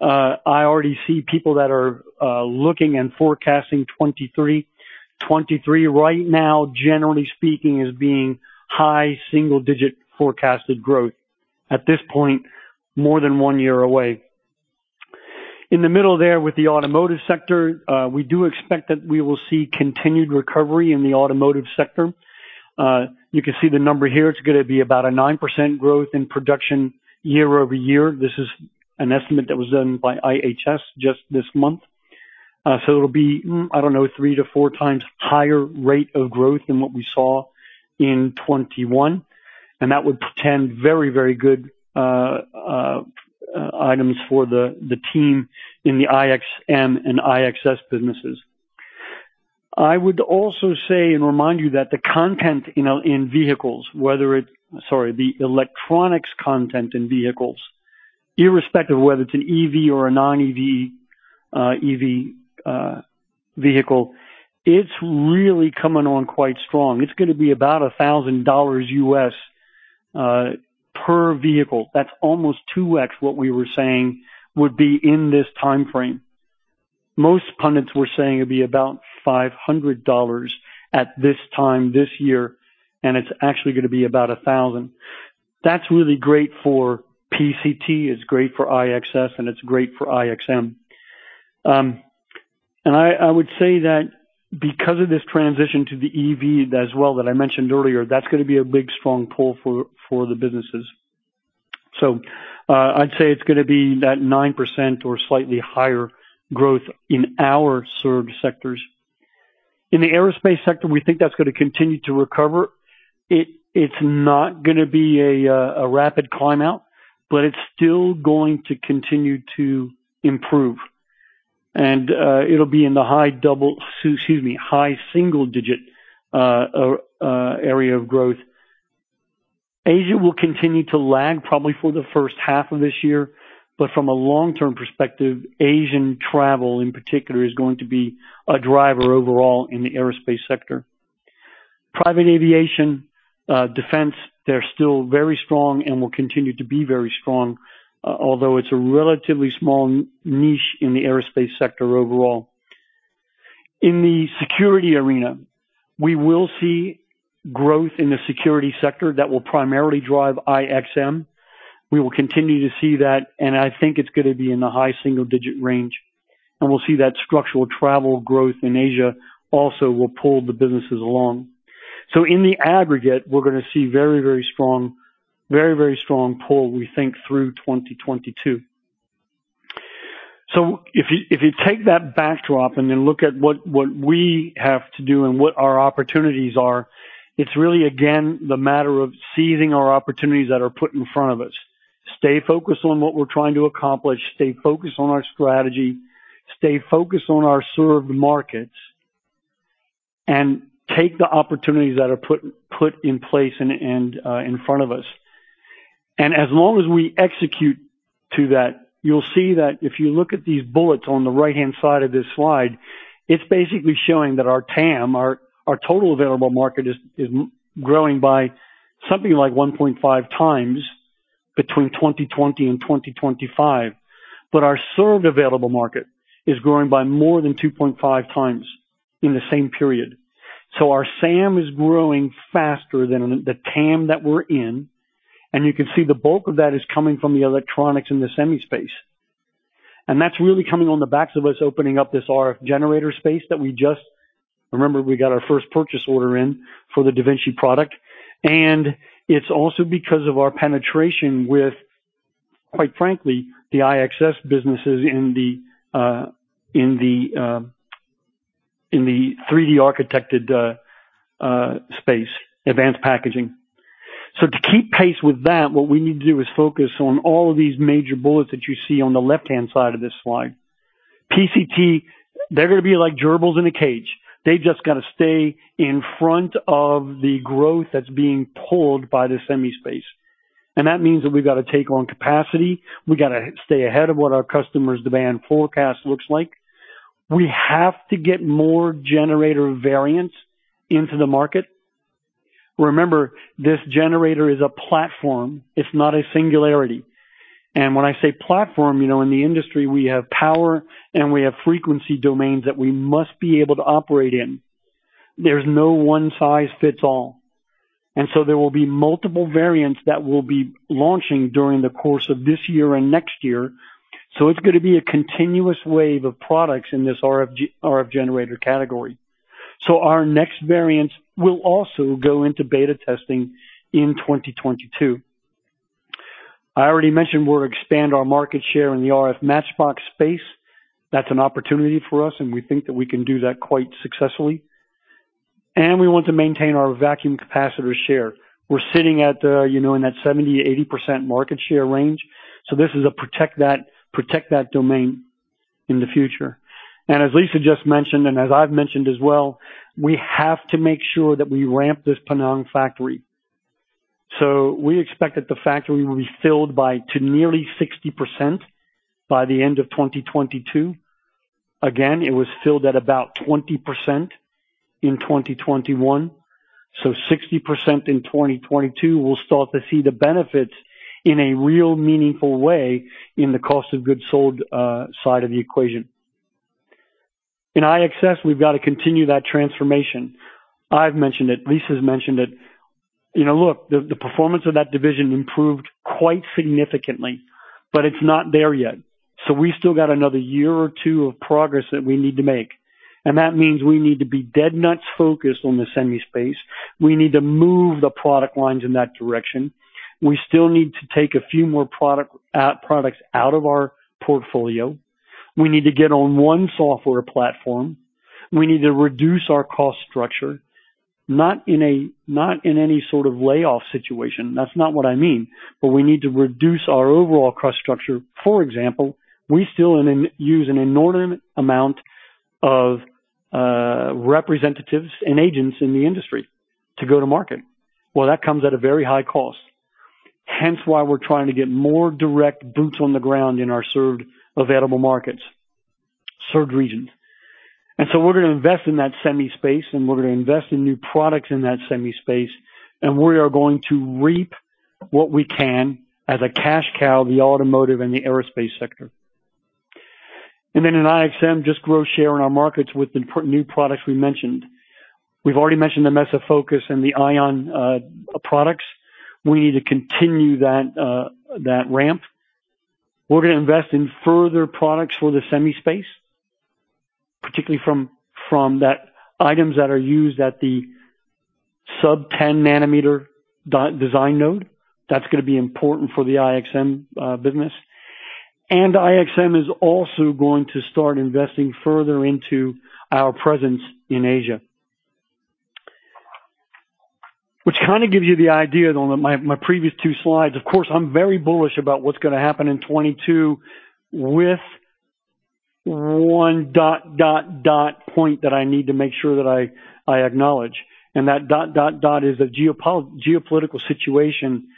I already see people that are looking and forecasting 2023. 2023 right now, generally speaking, is being high single-digit forecasted growth at this point more than one year away. In the middle there with the automotive sector, we do expect that we will see continued recovery in the automotive sector. You can see the number here. It's gonna be about a 9% growth in production year-over-year. This is an estimate that was done by IHS just this month. It'll be 3-4 times higher rate of growth than what we saw in 2021, and that would portend very good items for the team in the IXM and IXS businesses. I would also say and remind you that the content in vehicles, whether it... Sorry, the electronics content in vehicles, irrespective of whether it's an EV or a non-EV EV vehicle, it's really coming on quite strong. It's gonna be about $1,000 per vehicle. That's almost 2x what we were saying would be in this timeframe. Most pundits were saying it'd be about $500 at this time this year, and it's actually gonna be about $1,000. That's really great for PCT, it's great for IXS, and it's great for IXM. I would say that because of this transition to the EV as well that I mentioned earlier, that's gonna be a big strong pull for the businesses. I'd say it's gonna be that 9% or slightly higher growth in our served sectors. In the aerospace sector, we think that's gonna continue to recover. It's not gonna be a rapid climb-out, but it's still going to continue to improve. It'll be in the high single-digit area of growth. Asia will continue to lag probably for the first half of this year, but from a long-term perspective, Asian travel, in particular, is going to be a driver overall in the aerospace sector. Private aviation, defense, they're still very strong and will continue to be very strong, although it's a relatively small niche in the aerospace sector overall. In the security arena, we will see growth in the security sector that will primarily drive IXM. We will continue to see that, and I think it's gonna be in the high single-digit range, and we'll see that structural travel growth in Asia also will pull the businesses along. In the aggregate, we're gonna see very strong pull, we think, through 2022. If you take that backdrop and then look at what we have to do and what our opportunities are, it's really, again, the matter of seizing our opportunities that are put in front of us. Stay focused on what we're trying to accomplish, stay focused on our strategy, stay focused on our served markets, and take the opportunities that are put in place and in front of us. As long as we execute to that, you'll see that if you look at these bullets on the right-hand side of this slide, it's basically showing that our TAM, our total available market is growing by something like 1.5x between 2020 and 2025. Our served available market is growing by more than 2.5x in the same period. Our SAM is growing faster than the TAM that we're in, and you can see the bulk of that is coming from the electronics and the semi space. That's really coming on the backs of us opening up this RF generator space that we Remember, we got our first purchase order in for the da Vinci product. It's also because of our penetration. Quite frankly, the IXS businesses in the 3D architected space, advanced packaging. To keep pace with that, what we need to do is focus on all of these major bullets that you see on the left-hand side of this slide. PCT, they're gonna be like gerbils in a cage. They've just got to stay in front of the growth that's being pulled by the semi space. That means that we've got to take on capacity. We got to stay ahead of what our customers' demand forecast looks like. We have to get more generator variants into the market. Remember, this generator is a platform. It's not a singularity. When I say platform, you know, in the industry, we have power, and we have frequency domains that we must be able to operate in. There's no one-size-fits-all. There will be multiple variants that we'll be launching during the course of this year and next year. It's gonna be a continuous wave of products in this RF generator category. Our next variant will also go into beta testing in 2022. I already mentioned we'll expand our market share in the RF match box space. That's an opportunity for us, and we think that we can do that quite successfully. We want to maintain our vacuum capacitor share. We're sitting at, you know, in that 70%-80% market share range. This is a protect that domain in the future. As Lisa just mentioned, and as I've mentioned as well, we have to make sure that we ramp this Penang factory. We expect that the factory will be filled by nearly 60% by the end of 2022. Again, it was filled at about 20% in 2021. 60% in 2022, we'll start to see the benefits in a real meaningful way in the cost of goods sold side of the equation. In IXS, we've got to continue that transformation. I've mentioned it. Lisa's mentioned it. You know, look, the performance of that division improved quite significantly, but it's not there yet. We still got another year or two of progress that we need to make. That means we need to be dead nuts focused on the semi space. We need to move the product lines in that direction. We still need to take a few more product, products out of our portfolio. We need to get on one software platform. We need to reduce our cost structure, not in any sort of layoff situation. That's not what I mean. We need to reduce our overall cost structure. For example, we still use an inordinate amount of representatives and agents in the industry to go to market. Well, that comes at a very high cost, hence why we're trying to get more direct boots on the ground in our served available markets, served regions. We're gonna invest in that semi space, and we're gonna invest in new products in that semi space, and we are going to reap what we can as a cash cow, the automotive and the aerospace sector. In IXM, just grow share in our markets with the new products we mentioned. We've already mentioned the MesoFocus and the ION products. We need to continue that ramp. We're gonna invest in further products for the semi space, particularly from that items that are used at the sub-10 nanometer design node. That's gonna be important for the IXM business. IXM is also going to start investing further into our presence in Asia. Which kind of gives you the idea on my previous two slides. Of course, I'm very bullish about what's gonna happen in 2022 with one point that I need to make sure that I acknowledge. That is the geopolitical situation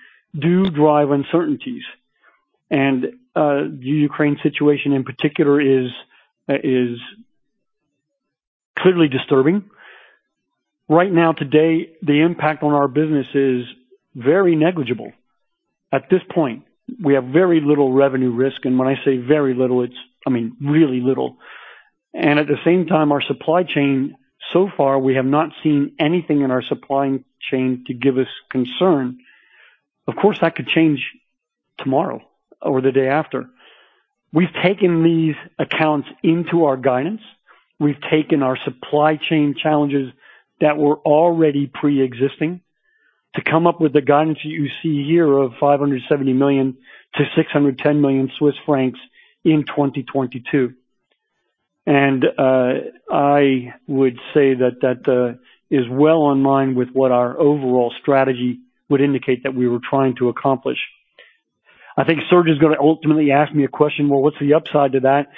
to drive uncertainties. The Ukraine situation in particular is clearly disturbing. Right now today, the impact on our business is very negligible. At this point, we have very little revenue risk, and when I say very little, it's I mean, really little. At the same time, our supply chain, so far we have not seen anything in our supply chain to give us concern. Of course, that could change tomorrow or the day after. We've taken these accounts into our guidance. We've taken our supply chain challenges that were already preexisting to come up with the guidance you see here of 570 million-610 million Swiss francs in 2022. I would say that is well in line with what our overall strategy would indicate that we were trying to accomplish. I think Serge is gonna ultimately ask me a question, "Well, what's the upside to that?"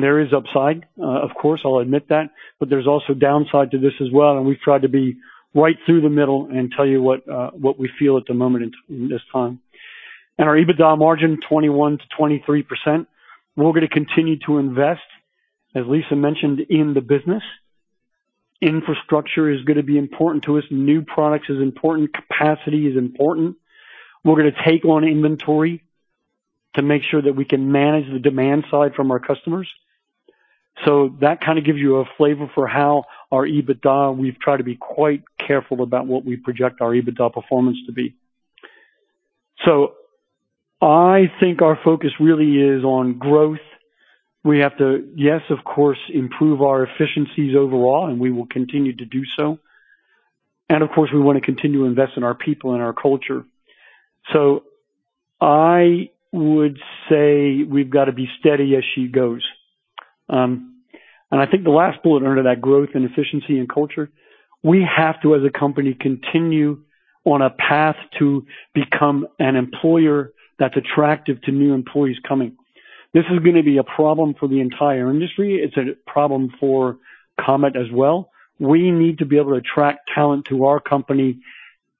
There is upside, of course, I'll admit that, but there's also downside to this as well, and we've tried to be right through the middle and tell you what we feel at the moment in this time. Our EBITDA margin, 21%-23%. We're gonna continue to invest, as Lisa mentioned, in the business. Infrastructure is gonna be important to us. New products is important. Capacity is important. We're gonna take on inventory to make sure that we can manage the demand side from our customers. That kind of gives you a flavor for how our EBITDA, we've tried to be quite careful about what we project our EBITDA performance to be. I think our focus really is on growth. We have to, yes, of course, improve our efficiencies overall, and we will continue to do so. Of course, we wanna continue to invest in our people and our culture. I would say we've gotta be steady as she goes. I think the last bullet under that growth and efficiency and culture, we have to, as a company, continue on a path to become an employer that's attractive to new employees coming. This is gonna be a problem for the entire industry. It's a problem for Comet as well. We need to be able to attract talent to our company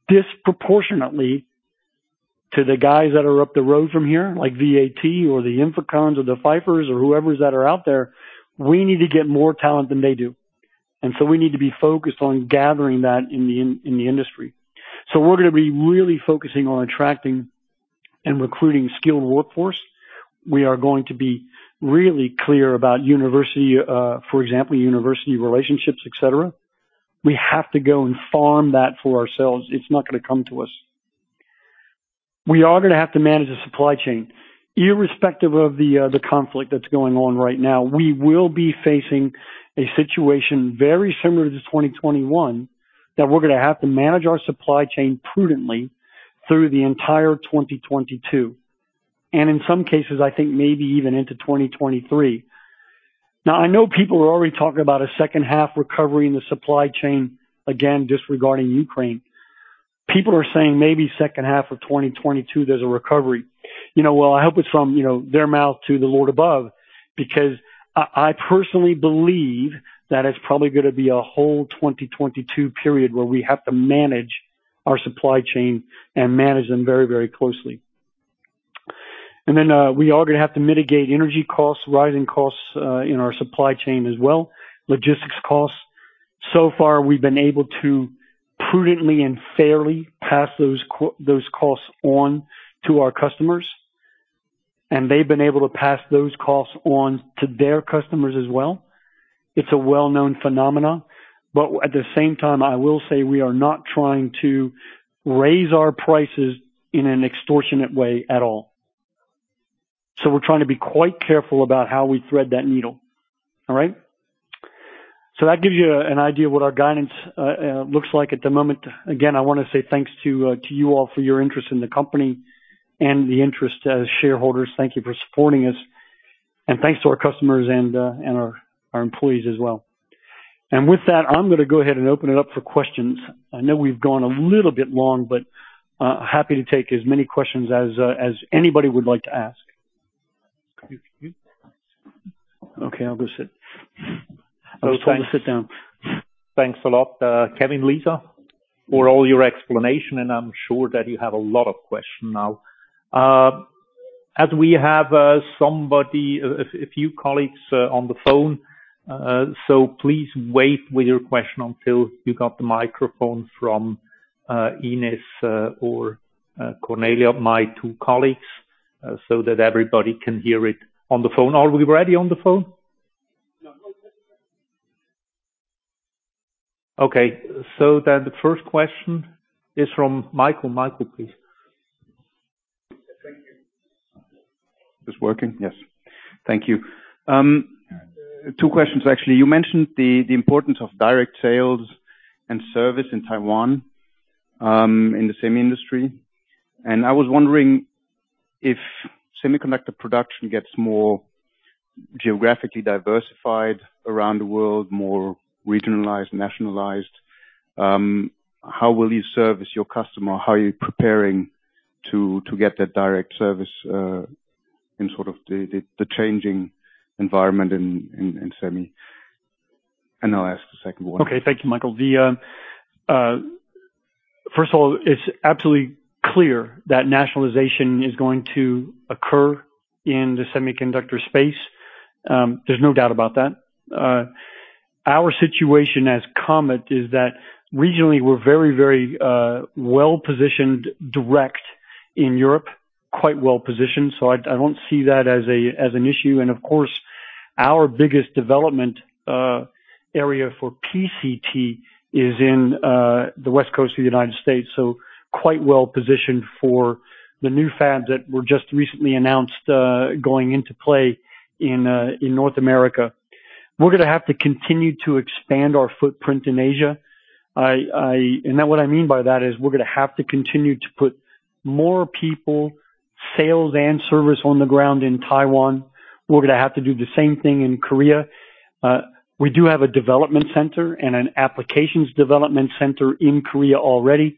disproportionately to the guys that are up the road from here, like VAT or the INFICON or the Pfeiffer or whoever's that are out there. We need to get more talent than they do. We need to be focused on gathering that in the industry. We're gonna be really focusing on attracting and recruiting skilled workforce. We are going to be really clear about university, for example, university relationships, et cetera. We have to go and farm that for ourselves. It's not gonna come to us. We are gonna have to manage the supply chain. Irrespective of the conflict that's going on right now, we will be facing a situation very similar to 2021, that we're gonna have to manage our supply chain prudently through the entire 2022, and in some cases, I think maybe even into 2023. Now, I know people are already talking about a second half recovery in the supply chain, again, disregarding Ukraine. People are saying maybe second half of 2022, there's a recovery. You know, well, I hope it's from, you know, their mouth to the Lord above because I personally believe that it's probably gonna be a whole 2022 period where we have to manage our supply chain and manage them very, very closely. We are gonna have to mitigate energy costs, rising costs in our supply chain as well, logistics costs. So far, we've been able to prudently and fairly pass those costs on to our customers, and they've been able to pass those costs on to their customers as well. It's a well-known phenomenon, but at the same time, I will say we are not trying to raise our prices in an extortionate way at all. We're trying to be quite careful about how we thread that needle. All right? That gives you an idea of what our guidance looks like at the moment. Again, I wanna say thanks to you all for your interest in the company and the interest as shareholders. Thank you for supporting us. Thanks to our customers and our employees as well. With that, I'm gonna go ahead and open it up for questions. I know we've gone a little bit long, but happy to take as many questions as anybody would like to ask. Excuse me. Okay, I'll go sit. I was told to sit down. Thanks a lot, Kevin, Lisa, for all your explanation, and I'm sure that you have a lot of question now. As we have a few colleagues on the phone, so please wait with your question until you got the microphone from Ines or Cornelia Bürgi, my two colleagues, so that everybody can hear it on the phone. Are we ready on the phone? No. Okay. The first question is from Michael. Michael, please. Thank you. Is working? Yes. Thank you. Two questions, actually. You mentioned the importance of direct sales and service in Taiwan, in the same industry. I was wondering if semiconductor production gets more geographically diversified around the world, more regionalized, nationalized, how will you service your customer? How are you preparing to get that direct service in sort of the changing environment in semi? I'll ask the second one. Okay. Thank you, Michael. First of all, it's absolutely clear that nationalization is going to occur in the semiconductor space. There's no doubt about that. Our situation as Comet is that regionally, we're very well-positioned directly in Europe, quite well-positioned, so I don't see that as an issue. Our biggest development area for PCT is in the West Coast of the United States, so quite well-positioned for the new fabs that were just recently announced going into play in North America. We're gonna have to continue to expand our footprint in Asia. What I mean by that is we're gonna have to continue to put more people, sales and service on the ground in Taiwan. We're gonna have to do the same thing in Korea. We do have a development center and an applications development center in Korea already,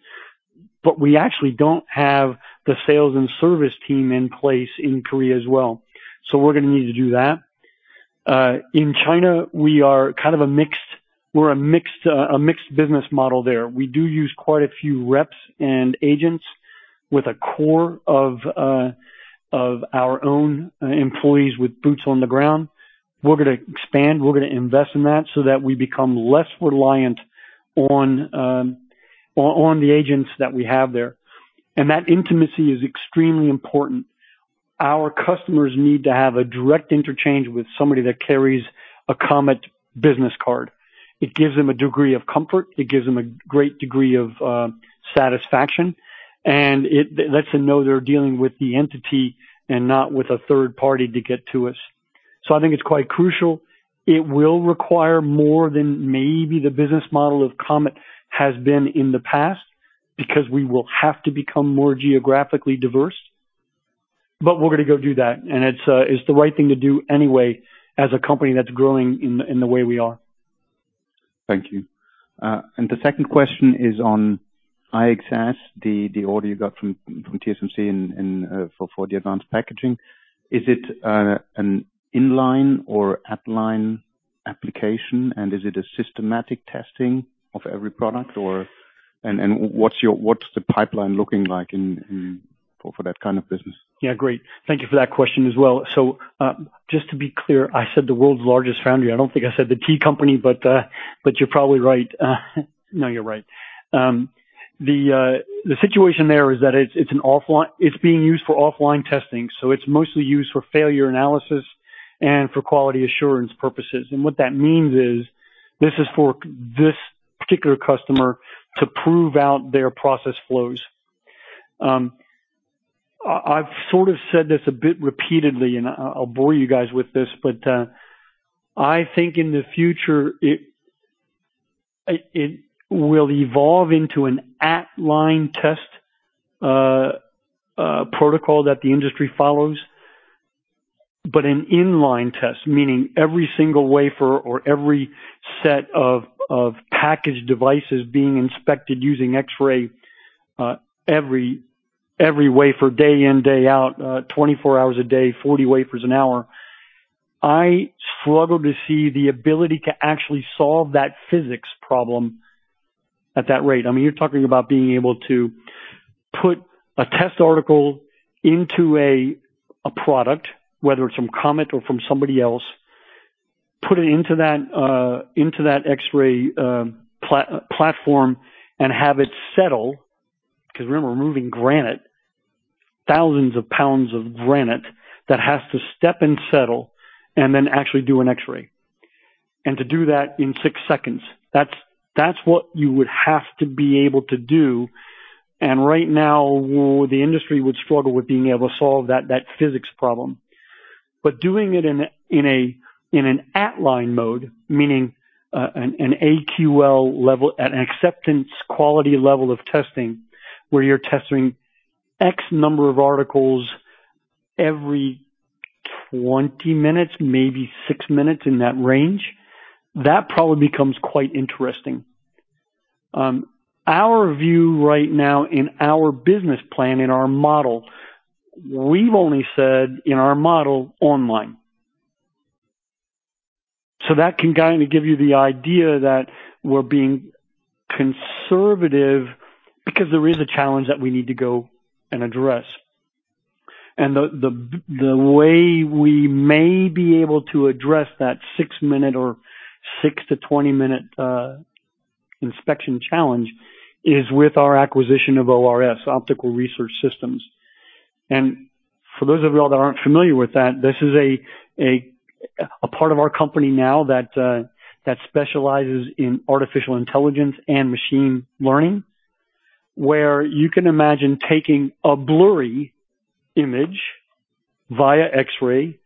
but we actually don't have the sales and service team in place in Korea as well. We're gonna need to do that. In China, we are kind of a mixed business model there. We do use quite a few reps and agents with a core of our own employees with boots on the ground. We're gonna expand. We're gonna invest in that so that we become less reliant on the agents that we have there. That intimacy is extremely important. Our customers need to have a direct interchange with somebody that carries a Comet business card. It gives them a degree of comfort. It gives them a great degree of satisfaction, and it lets them know they're dealing with the entity and not with a third party to get to us. So I think it's quite crucial. It will require more than maybe the business model of Comet has been in the past, because we will have to become more geographically diverse. But we're gonna go do that, and it's the right thing to do anyway as a company that's growing in the way we are. Thank you. The second question is on IXS, the order you got from TSMC in for the advanced packaging. Is it an in-line or at-line application, and is it a systematic testing of every product or? What's the pipeline looking like in for that kind of business? Yeah. Great. Thank you for that question as well. Just to be clear, I said the world's largest foundry. I don't think I said TSMC, but you're probably right. No, you're right. The situation there is that it's an offline. It's being used for offline testing, so it's mostly used for failure analysis and for quality assurance purposes. What that means is this is for this particular customer to prove out their process flows. I've sort of said this a bit repeatedly, and I'll bore you guys with this, but I think in the future it will evolve into an at-line test protocol that the industry follows. An in-line test, meaning every single wafer or every set of packaged devices being inspected using X-ray, every wafer, day in, day out, 24 hours a day, 40 wafers an hour, I struggle to see the ability to actually solve that physics problem at that rate. I mean, you're talking about being able to put a test article into a product, whether it's from Comet or from somebody else, put it into that X-ray platform and have it settle. 'Cause remember we're moving granite, thousands of pounds of granite that has to step and settle, and then actually do an X-ray. To do that in 6 seconds, that's what you would have to be able to do. Right now well, the industry would struggle with being able to solve that physics problem. Doing it in an at-line mode, meaning an AQL level, at an acceptance quality level of testing, where you're testing X number of articles every 20 minutes, maybe 6 minutes, in that range, that probably becomes quite interesting. Our view right now in our business plan, in our model, we've only said in our model online. That can kinda give you the idea that we're being conservative because there is a challenge that we need to go and address. The way we may be able to address that 6-minute or 6- to 20-minute inspection challenge is with our acquisition of ORS, Object Research Systems. For those of you all that aren't familiar with that, this is a part of our company now that specializes in artificial intelligence and machine learning. Where you can imagine taking a blurry image via X-ray,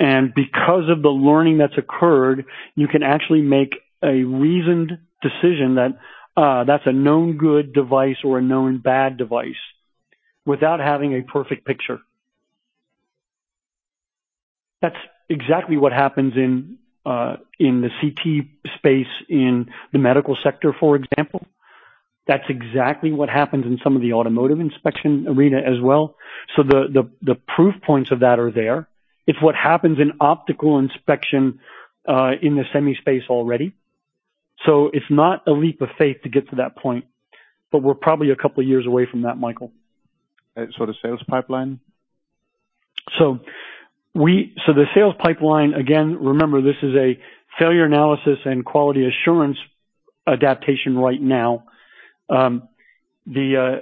and because of the learning that's occurred, you can actually make a reasoned decision that that's a known good device or a known bad device without having a perfect picture. That's exactly what happens in the CT space in the medical sector, for example. That's exactly what happens in some of the automotive inspection arena as well. The proof points of that are there. It's what happens in optical inspection in the semi space already. It's not a leap of faith to get to that point, but we're probably a couple years away from that, Michael. The sales pipeline? The sales pipeline, again, remember this is a failure analysis and quality assurance application right now. The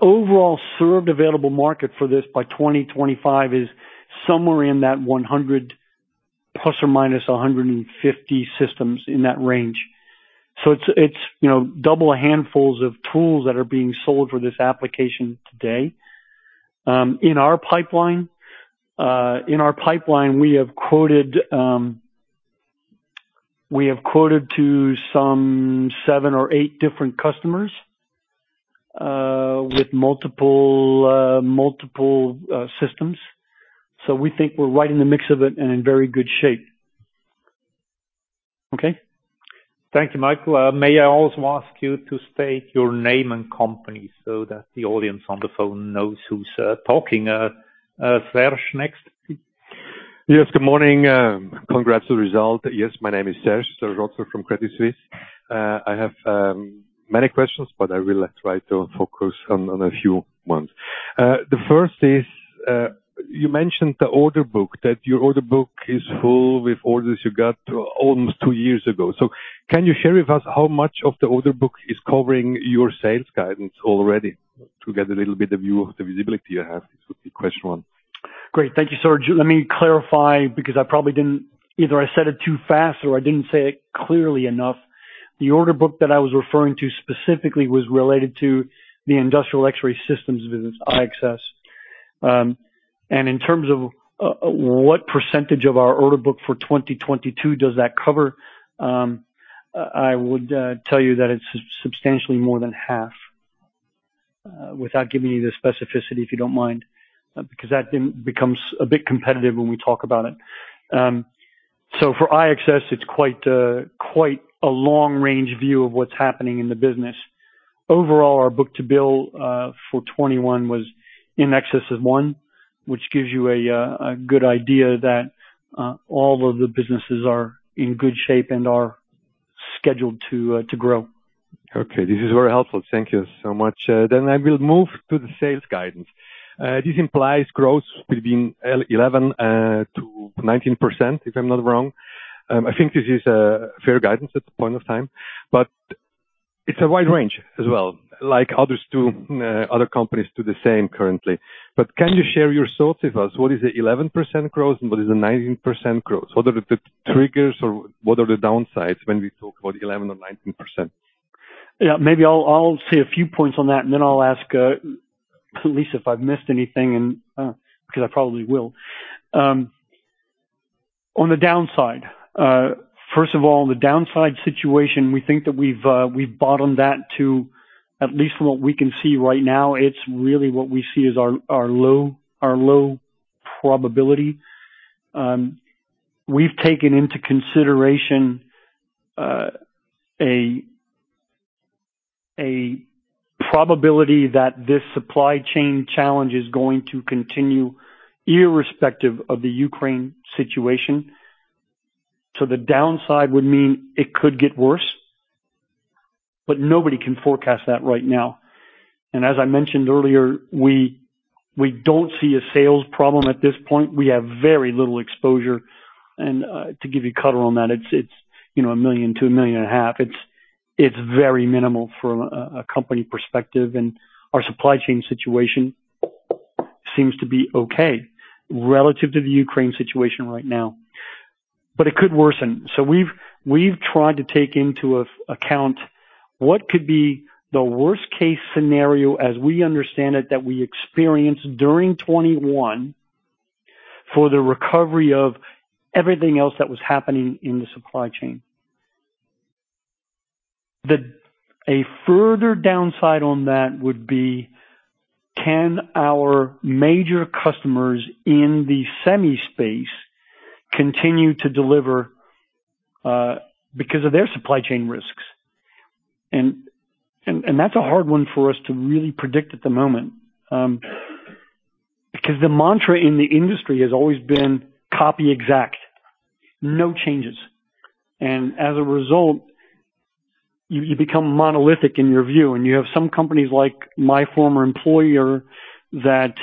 overall served available market for this by 2025 is somewhere in that 100 ± 150 systems, in that range. It's, you know, double handfuls of tools that are being sold for this application today. In our pipeline we have quoted to some seven or eight different customers with multiple systems. We think we're right in the mix of it and in very good shape. Okay. Thank you, Michael. May I also ask you to state your name and company so that the audience on the phone knows who's talking. Serge next. Yes, good morning. Congrats to the result. Yes. My name is Serge Rotzer from Credit Suisse. I have many questions, but I will try to focus on a few ones. The first is, you mentioned the order book, that your order book is full with orders you got almost two years ago. Can you share with us how much of the order book is covering your sales guidance already to get a little bit of view of the visibility you have? This would be question one. Great. Thank you, Serge. Let me clarify because either I said it too fast or I didn't say it clearly enough. The order book that I was referring to specifically was related to the industrial X-ray systems business, IXS. In terms of what percentage of our order book for 2022 does that cover, I would tell you that it's substantially more than half without giving you the specificity, if you don't mind, because that then becomes a bit competitive when we talk about it. For IXS, it's quite a long-range view of what's happening in the business. Overall, our book to bill for 2021 was in excess of one, which gives you a good idea that all of the businesses are in good shape and are scheduled to grow. Okay. This is very helpful. Thank you so much. I will move to the sales guidance. This implies growth between 11%-19%, if I'm not wrong. I think this is a fair guidance at this point of time, but it's a wide range as well, like others do, other companies do the same currently. Can you share your thoughts with us, what is the 11% growth and what is the 19% growth? What are the triggers or what are the downsides when we talk about 11% or 19%? Yeah, maybe I'll say a few points on that, and then I'll ask Lisa if I've missed anything because I probably will. On the downside, first of all, the downside situation, we think that we've bottomed out to at least from what we can see right now. It's really what we see as our low probability. We've taken into consideration a probability that this supply chain challenge is going to continue irrespective of the Ukraine situation. The downside would mean it could get worse, but nobody can forecast that right now. As I mentioned earlier, we don't see a sales problem at this point. We have very little exposure. To give you color on that, it's, you know, 1 million-1.5 million. It's very minimal from a company perspective, and our supply chain situation seems to be okay relative to the Ukraine situation right now. It could worsen. We've tried to take into account what could be the worst case scenario as we understand it that we experienced during 2021 for the recovery of everything else that was happening in the supply chain. A further downside on that would be, can our major customers in the semi space continue to deliver because of their supply chain risks? That's a hard one for us to really predict at the moment, because the mantra in the industry has always been copy exact, no changes. As a result, you become monolithic in your view, and you have some companies like my former employer that,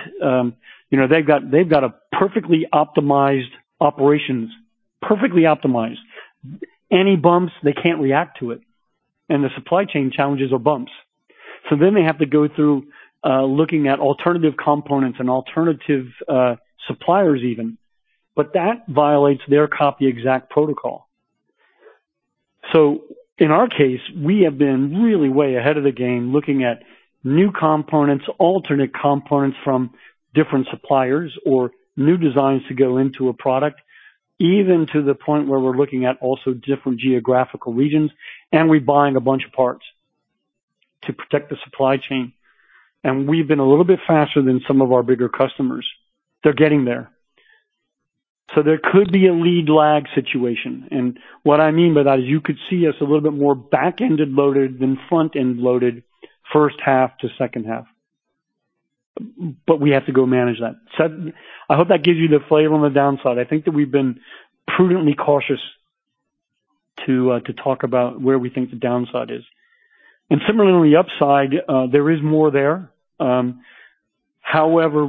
you know, they've got a perfectly optimized operations, perfectly optimized. Any bumps, they can't react to it, and the supply chain challenges are bumps. They have to go through looking at alternative components and alternative suppliers even. That violates their copy exact protocol. In our case, we have been really way ahead of the game looking at new components, alternate components from different suppliers or new designs to go into a product, even to the point where we're looking at also different geographical regions, and we're buying a bunch of parts to protect the supply chain. We've been a little bit faster than some of our bigger customers. They're getting there. There could be a lead lag situation. What I mean by that is you could see us a little bit more back-ended loaded than front-end loaded first half to second half. We have to go manage that. I hope that gives you the flavor on the downside. I think that we've been prudently cautious to talk about where we think the downside is. Similarly on the upside, there is more there. However,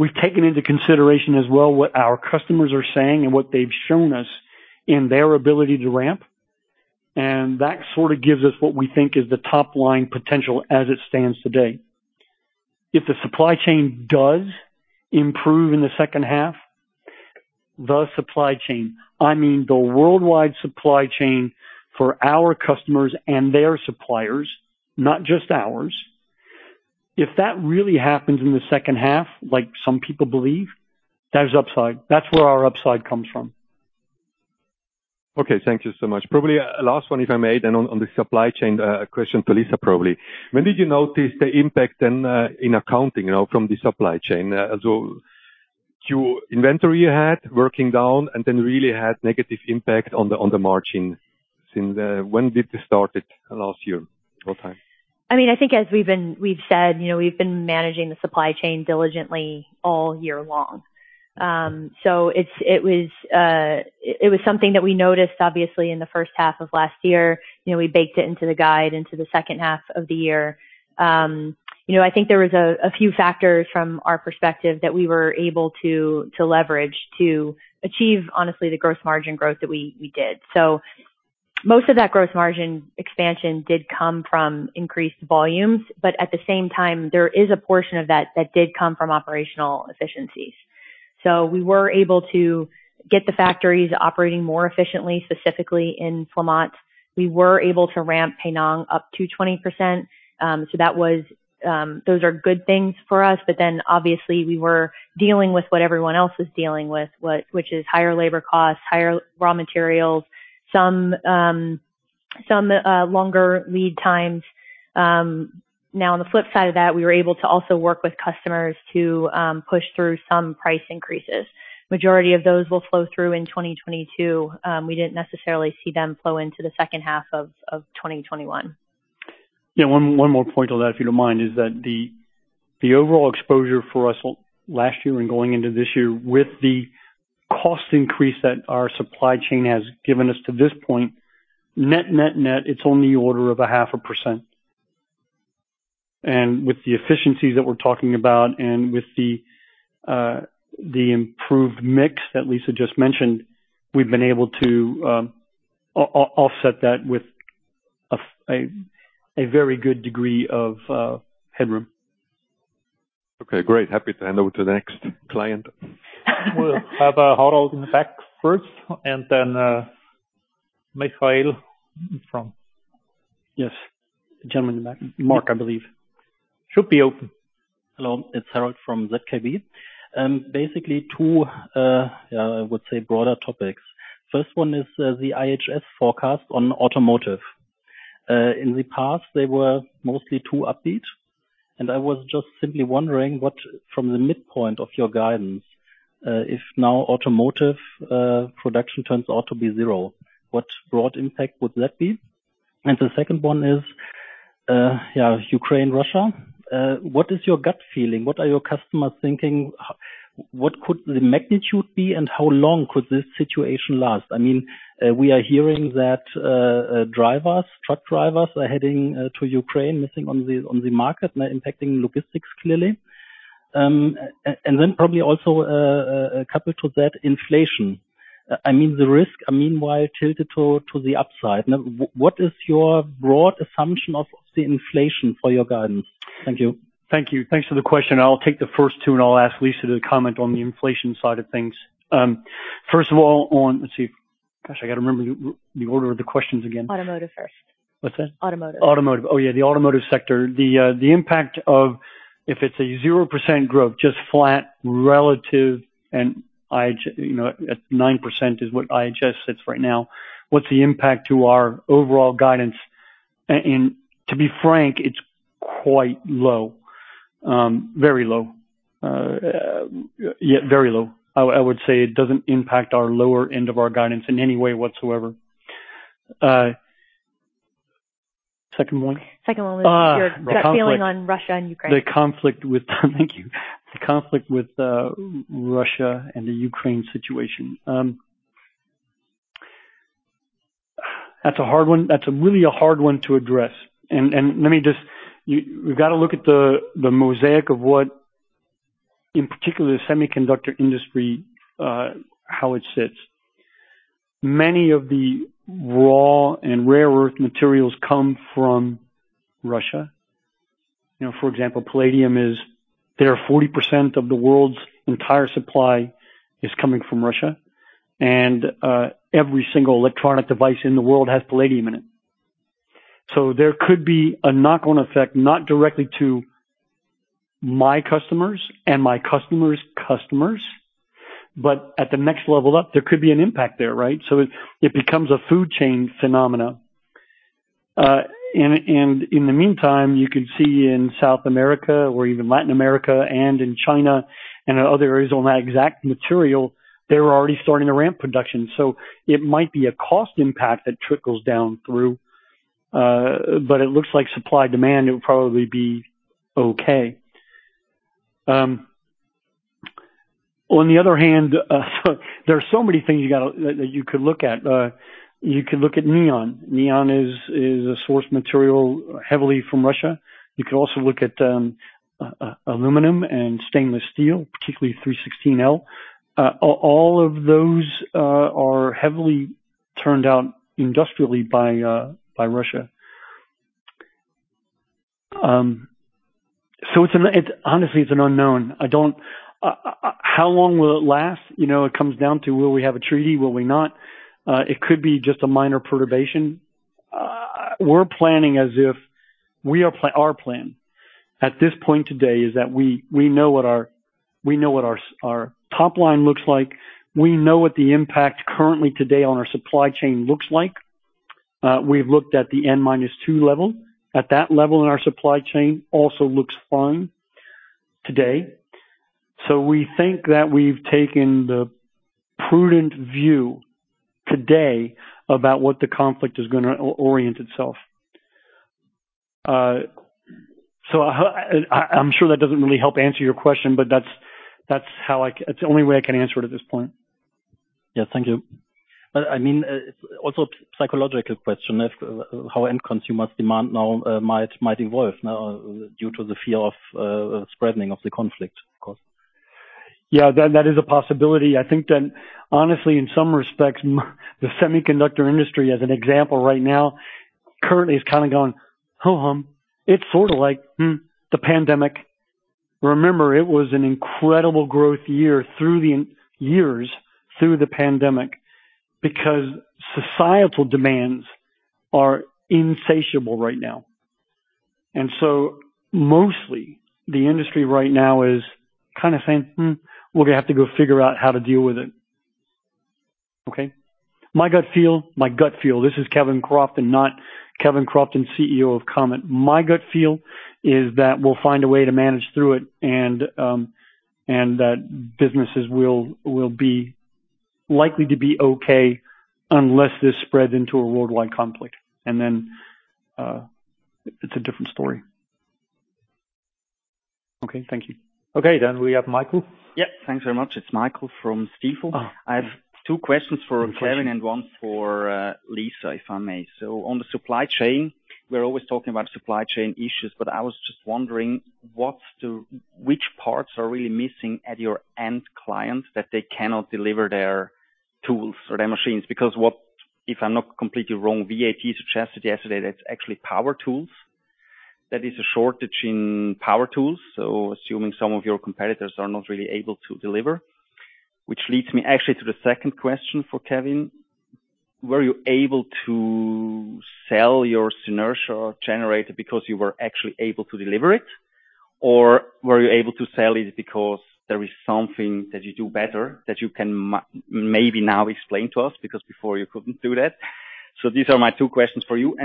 we've taken into consideration as well what our customers are saying and what they've shown us in their ability to ramp. That sort of gives us what we think is the top line potential as it stands today. If the supply chain does improve in the second half, the supply chain, I mean the worldwide supply chain for our customers and their suppliers, not just ours, if that really happens in the second half, like some people believe, there's upside. That's where our upside comes from. Okay. Thank you so much. Probably last one, if I may, then on the supply chain, a question to Lisa probably. When did you notice the impact then in accounting, you know, from the supply chain? As your inventory you had working down and then really had negative impact on the margin since when did this started last year, what time? I mean, I think as we've said, you know, we've been managing the supply chain diligently all year long. It was something that we noticed obviously in the first half of last year. You know, we baked it into the guidance into the second half of the year. You know, I think there was a few factors from our perspective that we were able to to leverage to achieve honestly the gross margin growth that we did. So Most of that gross margin expansion did come from increased volumes, but at the same time, there is a portion of that that did come from operational efficiencies. We were able to get the factories operating more efficiently, specifically in Fremont. We were able to ramp Penang up to 20%. Those are good things for us, but obviously we were dealing with what everyone else is dealing with, which is higher labor costs, higher raw materials, some longer lead times. Now, on the flip side of that, we were able to also work with customers to push through some price increases. Majority of those will flow through in 2022. We didn't necessarily see them flow into the second half of 2021. Yeah. One more point on that, if you don't mind, is that the overall exposure for us last year and going into this year with the cost increase that our supply chain has given us to this point, net, it's on the order of 0.5%. With the efficiencies that we're talking about and with the improved mix that Lisa just mentioned, we've been able to offset that with a very good degree of headroom. Okay, great. Happy to hand over to the next client. We'll have Harald in the back first, and then Mikhail from Yes. The gentleman in the back. Mark, I believe. Should be open. Hello. It's Harald from ZKB. Basically two broader topics. First one is the IHS forecast on automotive. In the past, they were mostly too upbeat, and I was just simply wondering what from the midpoint of your guidance, if now automotive production turns out to be zero, what broad impact would that be? The second one is Ukraine, Russia. What is your gut feeling? What are your customers thinking? What could the magnitude be, and how long could this situation last? I mean, we are hearing that drivers, truck drivers are heading to Ukraine, missing on the market, now impacting logistics clearly. Then probably also coupled to that, inflation. I mean, the risks are meanwhile tilted to the upside. What is your broad assumption of the inflation for your guidance? Thank you. Thank you. Thanks for the question. I'll take the first two, and I'll ask Lisa to comment on the inflation side of things. First of all, let's see. Gosh, I gotta remember the order of the questions again. Automotive first. What's that? Automotive. Automotive. Oh, yeah, the automotive sector. The impact of if it's a 0% growth, just flat relative, you know, at 9% is what IHS sits right now. What's the impact to our overall guidance? To be frank, it's quite low, very low. Yeah, very low. I would say it doesn't impact our lower end of our guidance in any way whatsoever. Second one? Second one was- Ah. Your gut feeling on Russia and Ukraine? The conflict with Russia and the Ukraine situation. That's a hard one. That's really a hard one to address. We've got to look at the mosaic of what, in particular, the semiconductor industry, how it sits. Many of the raw and rare earth materials come from Russia. You know, for example, palladium—they are 40% of the world's entire supply coming from Russia. Every single electronic device in the world has palladium in it. There could be a knock-on effect, not directly to my customers and my customers' customers, but at the next level up, there could be an impact there, right? It becomes a food chain phenomenon. In the meantime, you could see in South America or even Latin America and in China and in other areas on that exact material, they're already starting to ramp production. It might be a cost impact that trickles down through, but it looks like supply-demand, it would probably be okay. On the other hand, there are so many things that you could look at. You could look at neon. Neon is a source material heavily from Russia. You could also look at aluminum and stainless steel, particularly 316L. All of those are heavily turned out industrially by Russia. It's an unknown. I don't know how long it will last. You know, it comes down to will we have a treaty? Will we not? It could be just a minor perturbation. Our plan at this point today is that we know what our top line looks like. We know what the impact currently today on our supply chain looks like. We've looked at the N-2 level. At that level in our supply chain also looks fine today. We think that we've taken the prudent view today about what the conflict is gonna orient itself. I'm sure that doesn't really help answer your question, but that's the only way I can answer it at this point. Yeah. Thank you. I mean, it's also psychological question of how end consumers demand now might evolve now due to the fear of spreading of the conflict, of course. Yeah, that is a possibility. I think that honestly, in some respects, the semiconductor industry as an example right now currently is kind of going, ho-hum. It's sort of like, hmm, the pandemic. Remember, it was an incredible growth year through the years through the pandemic because societal demands are insatiable right now. Mostly the industry right now is kind of saying, "Hmm, we're gonna have to go figure out how to deal with it." Okay? My gut feel, this is Kevin Crofton, CEO of Comet. My gut feel is that we'll find a way to manage through it and that businesses will be likely to be okay unless this spreads into a worldwide conflict, and then it's a different story. Okay, thank you. Okay, we have Michael. Yeah, thanks very much. It's Michael from Stifel. Oh. I have two questions for Kevin. Okay. One for Lisa, if I may. On the supply chain, we're always talking about supply chain issues, but I was just wondering which parts are really missing at your end clients that they cannot deliver their tools or their machines? Because what, if I'm not completely wrong, VAT suggested yesterday that it's actually power tools, that is a shortage in power tools, so assuming some of your competitors are not really able to deliver. Which leads me actually to the second question for Kevin. Were you able to sell your Synertia generator because you were actually able to deliver it? Or were you able to sell it because there is something that you do better that you can maybe now explain to us, because before you couldn't do that. These are my two questions for you.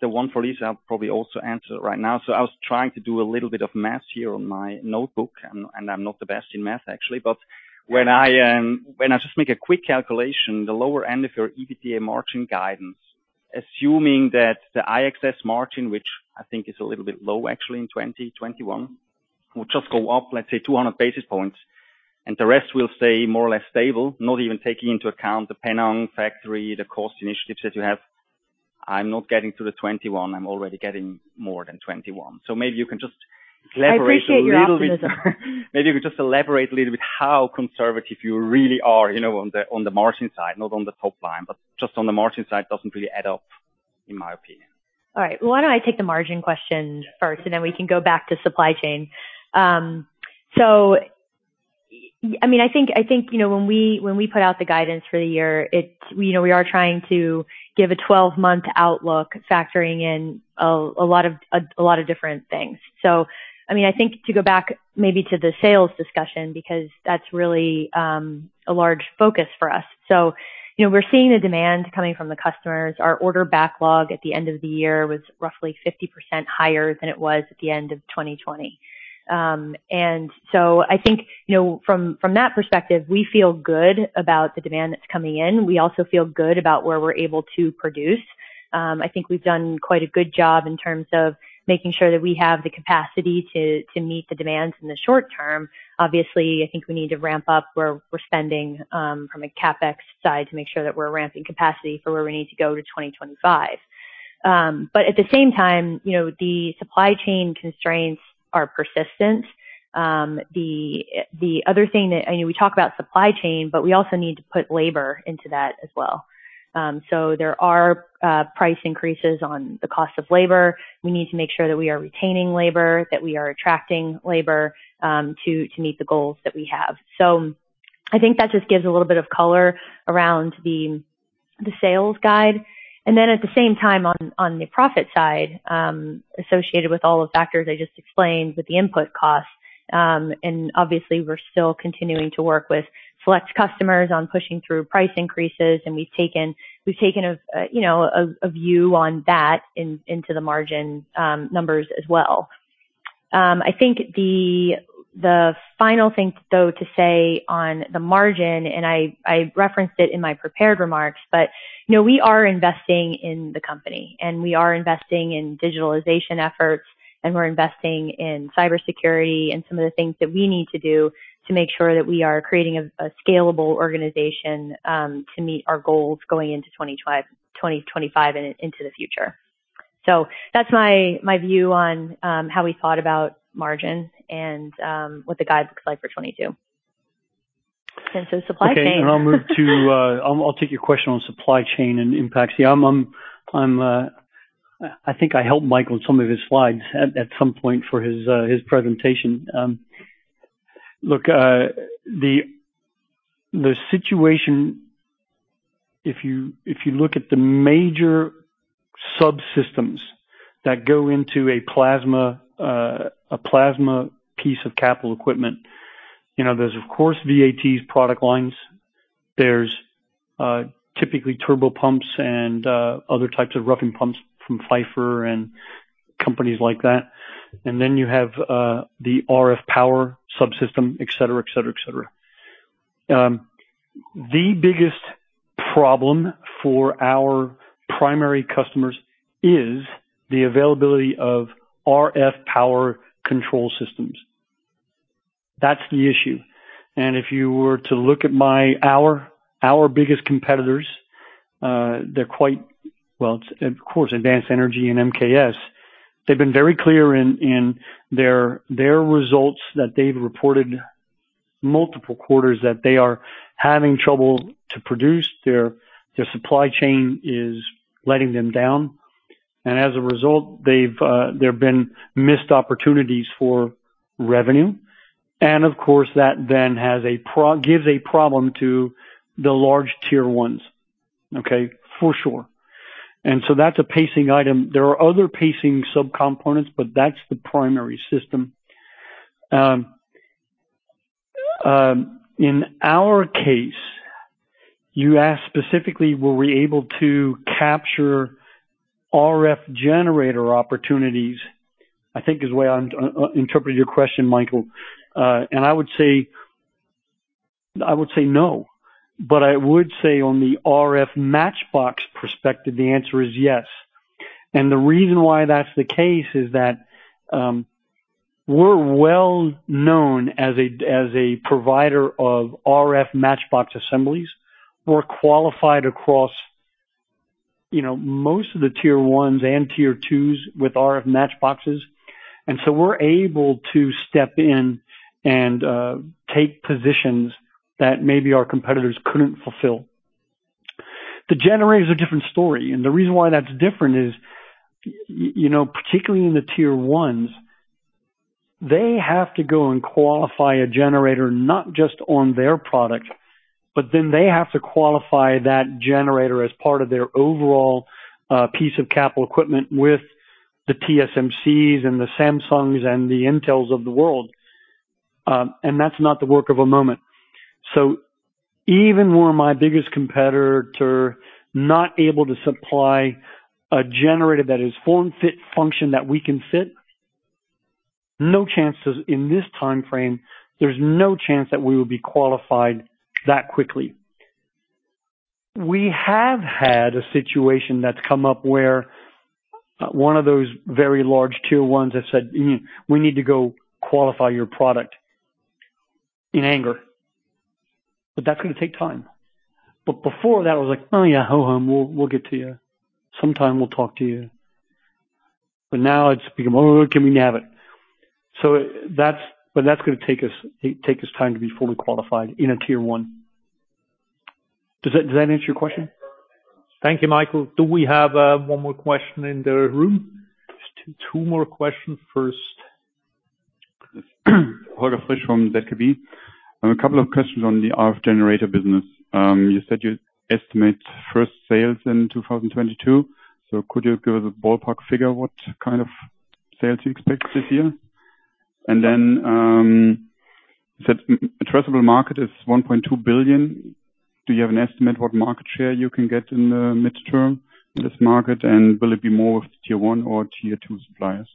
The one for Lisa, I'll probably also answer right now. I was trying to do a little bit of math here on my notebook, and I'm not the best in math, actually. When I just make a quick calculation, the lower end of your EBITDA margin guidance, assuming that the IXS margin, which I think is a little bit low actually in 2021, will just go up, let's say 200 basis points, and the rest will stay more or less stable, not even taking into account the Penang factory, the cost initiatives that you have. I'm not getting to the 21%, I'm already getting more than 21%. Maybe you can just elaborate a little bit. I appreciate your optimism. Maybe you can just elaborate a little bit how conservative you really are, you know, on the margin side, not on the top line, but just on the margin side? It doesn't really add up, in my opinion. All right. Why don't I take the margin question first, and then we can go back to supply chain. I mean, I think, you know, when we put out the guidance for the year, it's you know, we are trying to give a twelve-month outlook factoring in a lot of different things. I mean, I think to go back maybe to the sales discussion, because that's really a large focus for us. You know, we're seeing the demand coming from the customers. Our order backlog at the end of the year was roughly 50% higher than it was at the end of 2020. I think, you know, from that perspective, we feel good about the demand that's coming in. We also feel good about where we're able to produce. I think we've done quite a good job in terms of making sure that we have the capacity to meet the demands in the short term. Obviously, I think we need to ramp up where we're spending, from a CapEx side to make sure that we're ramping capacity for where we need to go to 2025. At the same time, you know, the supply chain constraints are persistent. The other thing that I know we talk about supply chain, but we also need to put labor into that as well. There are price increases on the cost of labor. We need to make sure that we are retaining labor, that we are attracting labor, to meet the goals that we have. I think that just gives a little bit of color around the sales guide. Then at the same time on the profit side, associated with all the factors I just explained with the input costs, and obviously we're still continuing to work with select customers on pushing through price increases, and we've taken a you know a view on that into the margin numbers as well. I think the final thing though to say on the margin, and I referenced it in my prepared remarks, but you know, we are investing in the company, and we are investing in digitalization efforts, and we're investing in cybersecurity and some of the things that we need to do to make sure that we are creating a scalable organization to meet our goals going into 2025 and into the future. That's my view on how we thought about margin and what the guide looks like for 2022. Since it's supply chain. Okay. I'll take your question on supply chain and impacts. Yeah. I think I helped Michael on some of his slides at some point for his presentation. Look, the situation, if you look at the major subsystems that go into a plasma piece of capital equipment, you know, there's of course VAT's product lines. There's typically turbo pumps and other types of roughing pumps from Pfeiffer and companies like that. Then you have the RF power subsystem, et cetera, et cetera, et cetera. The biggest problem for our primary customers is the availability of RF power control systems. That's the issue. If you were to look at our biggest competitors, they're quite... Well, of course, Advanced Energy and MKS, they've been very clear in their results that they've reported multiple quarters that they are having trouble to produce. Their supply chain is letting them down, and as a result, there have been missed opportunities for revenue. Of course, that then gives a problem to the large tier ones, okay? For sure. That's a pacing item. There are other pacing subcomponents, but that's the primary system. In our case, you asked specifically, were we able to capture RF generator opportunities, I think is the way I'm interpreting your question, Michael. I would say no. I would say on the RF matchbox perspective, the answer is yes. The reason why that's the case is that we're well known as a provider of RF matchbox assemblies. We're qualified across you know most of the tier ones and tier twos with RF matchboxes, and so we're able to step in and take positions that maybe our competitors couldn't fulfill. The generator is a different story, and the reason why that's different is you know particularly in the tier ones, they have to go and qualify a generator not just on their product, but then they have to qualify that generator as part of their overall piece of capital equipment with the TSMCs and the Samsungs and the Intels of the world. That's not the work of a moment. Even were my biggest competitor not able to supply a generator that is form, fit, function that we can fit, no chances in this timeframe, there's no chance that we will be qualified that quickly. We have had a situation that's come up where one of those very large tier ones have said, "We need to go qualify your product," in anger. That's gonna take time. Before that was like, "Oh, yeah, ho hum, we'll get to you. Sometime we'll talk to you." Now it's become, "Oh, can we have it?" That's gonna take us time to be fully qualified in a tier one. Does that answer your question? Thank you, Michael. Do we have one more question in the room? Just two more questions. First, Holger Frisch from Berenberg. I have a couple of questions on the RF generator business. You said you estimate first sales in 2022. Could you give us a ballpark figure what kind of sales you expect this year? And then, you said addressable market is 1.2 billion. Do you have an estimate what market share you can get in the midterm in this market? And will it be more of tier one or tier two suppliers?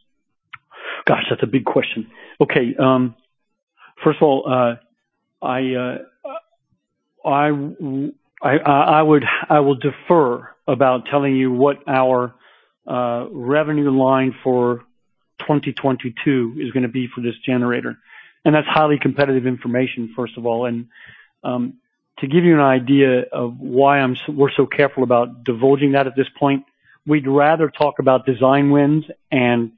Gosh, that's a big question. Okay, first of all, I will defer about telling you what our revenue line for 2022 is gonna be for this generator. That's highly competitive information, first of all. To give you an idea of why we're so careful about divulging that at this point, we'd rather talk about design wins and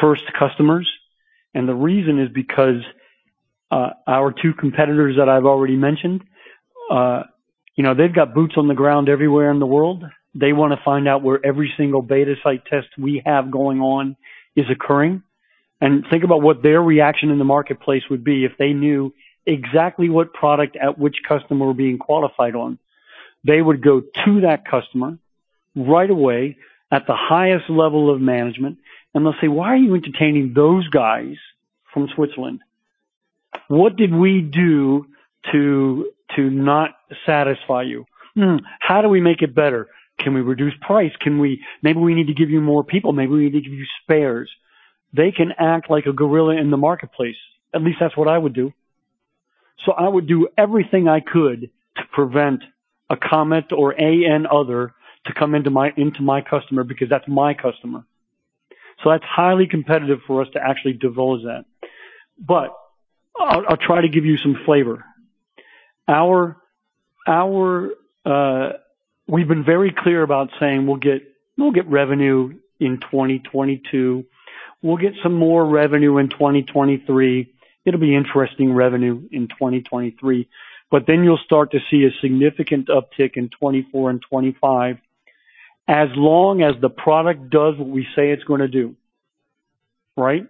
first customers. The reason is because our two competitors that I've already mentioned, they've got boots on the ground everywhere in the world. They wanna find out where every single beta site test we have going on is occurring. Think about what their reaction in the marketplace would be if they knew exactly what product at which customer we're being qualified on. They would go to that customer right away at the highest level of management, and they'll say, "Why are you entertaining those guys from Switzerland? What did we do to not satisfy you? How do we make it better? Can we reduce price? Maybe we need to give you more people. Maybe we need to give you spares." They can act like a gorilla in the marketplace. At least that's what I would do. I would do everything I could to prevent a Comet or any other to come into my customer because that's my customer. That's highly competitive for us to actually divulge that. But I'll try to give you some flavor. Our we've been very clear about saying we'll get revenue in 2022. We'll get some more revenue in 2023. It'll be interesting revenue in 2023. Then you'll start to see a significant uptick in 2024 and 2025, as long as the product does what we say it's gonna do, right?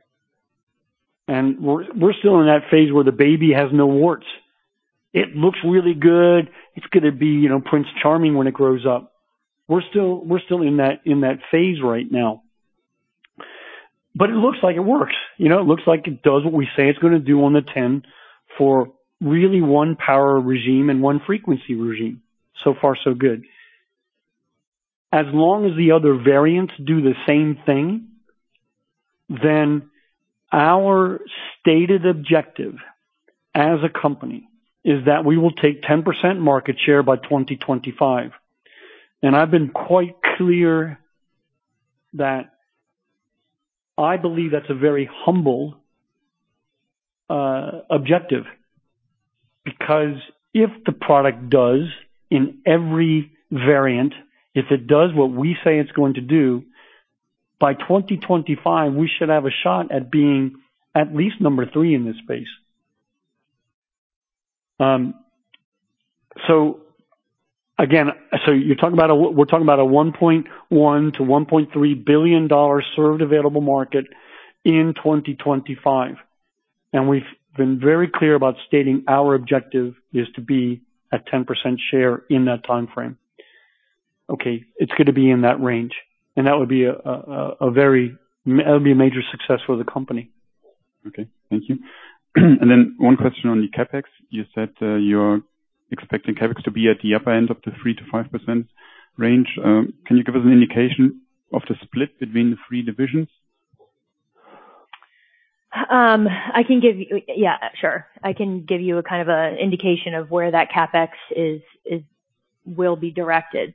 We're still in that phase where the baby has no warts. It looks really good. It's gonna be, you know, Prince Charming when it grows up. We're still in that phase right now. It looks like it works. You know, it looks like it does what we say it's gonna do on the tin for really one power regime and one frequency regime. So far so good. As long as the other variants do the same thing, then our stated objective as a company is that we will take 10% market share by 2025. I've been quite clear that I believe that's a very humble objective. Because if the product does in every variant, if it does what we say it's going to do, by 2025, we should have a shot at being at least number three in this space. So again, we're talking about a $1.1 billion-$1.3 billion serviceable addressable market in 2025. We've been very clear about stating our objective is to be at 10% share in that timeframe. Okay. It's going to be in that range, and that would be a major success for the company. Okay. Thank you. One question on the CapEx. You said, you're expecting CapEx to be at the upper end of the 3%-5% range. Can you give us an indication of the split between the three divisions? Yeah, sure. I can give you a kind of a indication of where that CapEx is. Will be directed.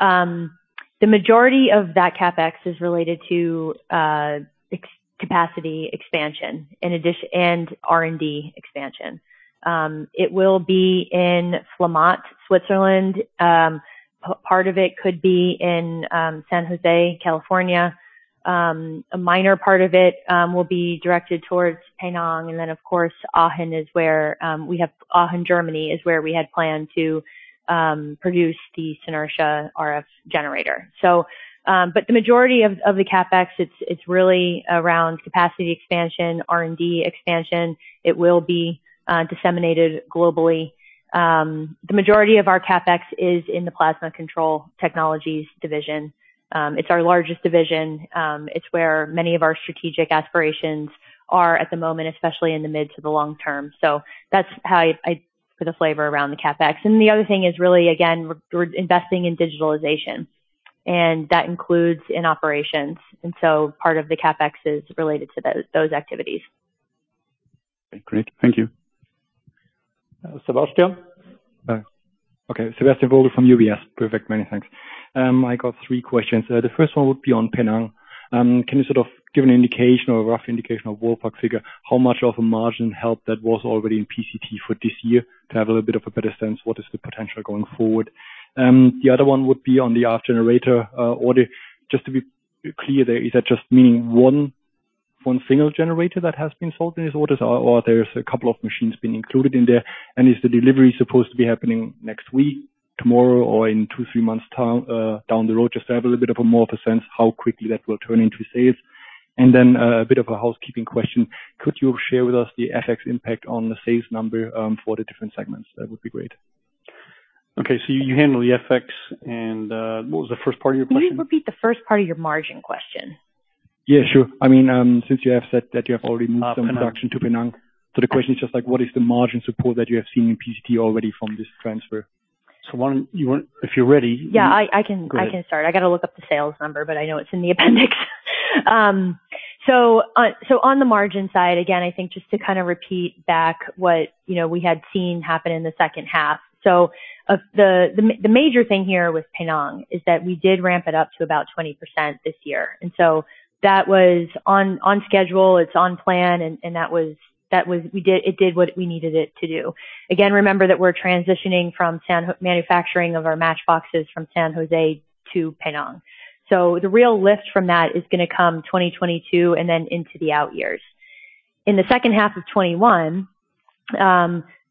The majority of that CapEx is related to capacity expansion and R&D expansion. It will be in Flamatt, Switzerland. Part of it could be in San Jose, California. A minor part of it will be directed towards Penang. Of course, Aachen, Germany, is where we had planned to produce the Synerga RF generator. But the majority of the CapEx, it's really around capacity expansion, R&D expansion. It will be disseminated globally. The majority of our CapEx is in the Plasma Control Technologies division. It's our largest division. It's where many of our strategic aspirations are at the moment, especially in the mid to the long term. That's how I'd put a flavor around the CapEx. The other thing is really, again, we're investing in digitalization, and that includes in operations. Part of the CapEx is related to those activities. Great. Thank you. Sebastian. Okay. Sebastian Wolter from UBS. Perfect. Many thanks. I got three questions. The first one would be on Penang. Can you sort of give an indication or a rough indication of ballpark figure, how much of a margin help that was already in PCT for this year to have a little bit of a better sense what is the potential going forward? The other one would be on the RF generator order. Just to be clear there, is that just meaning one single generator that has been sold in these orders or there's a couple of machines being included in there? And is the delivery supposed to be happening next week, tomorrow, or in two, three months' time down the road? Just to have a little bit of a more of a sense how quickly that will turn into sales? A bit of a housekeeping question. Could you share with us the FX impact on the sales number for the different segments? That would be great. Okay. You handled the FX and what was the first part of your question? Can you repeat the first part of your margin question? Yeah, sure. I mean, since you have said that you have already moved some production to Penang. The question is just like, what is the margin support that you have seen in PCT already from this transfer? If you're ready. Yeah. I can- Go ahead. I can start. I gotta look up the sales number, but I know it's in the appendix. On the margin side, again, I think just to kind of repeat back what, you know, we had seen happen in the second half. The major thing here with Penang is that we did ramp it up to about 20% this year, and that was on schedule, it's on plan, and that was. It did what we needed it to do. Again, remember that we're transitioning from San Jose manufacturing of our match boxes from San Jose to Penang. The real lift from that is gonna come 2022 and then into the out years. In the second half of 2021,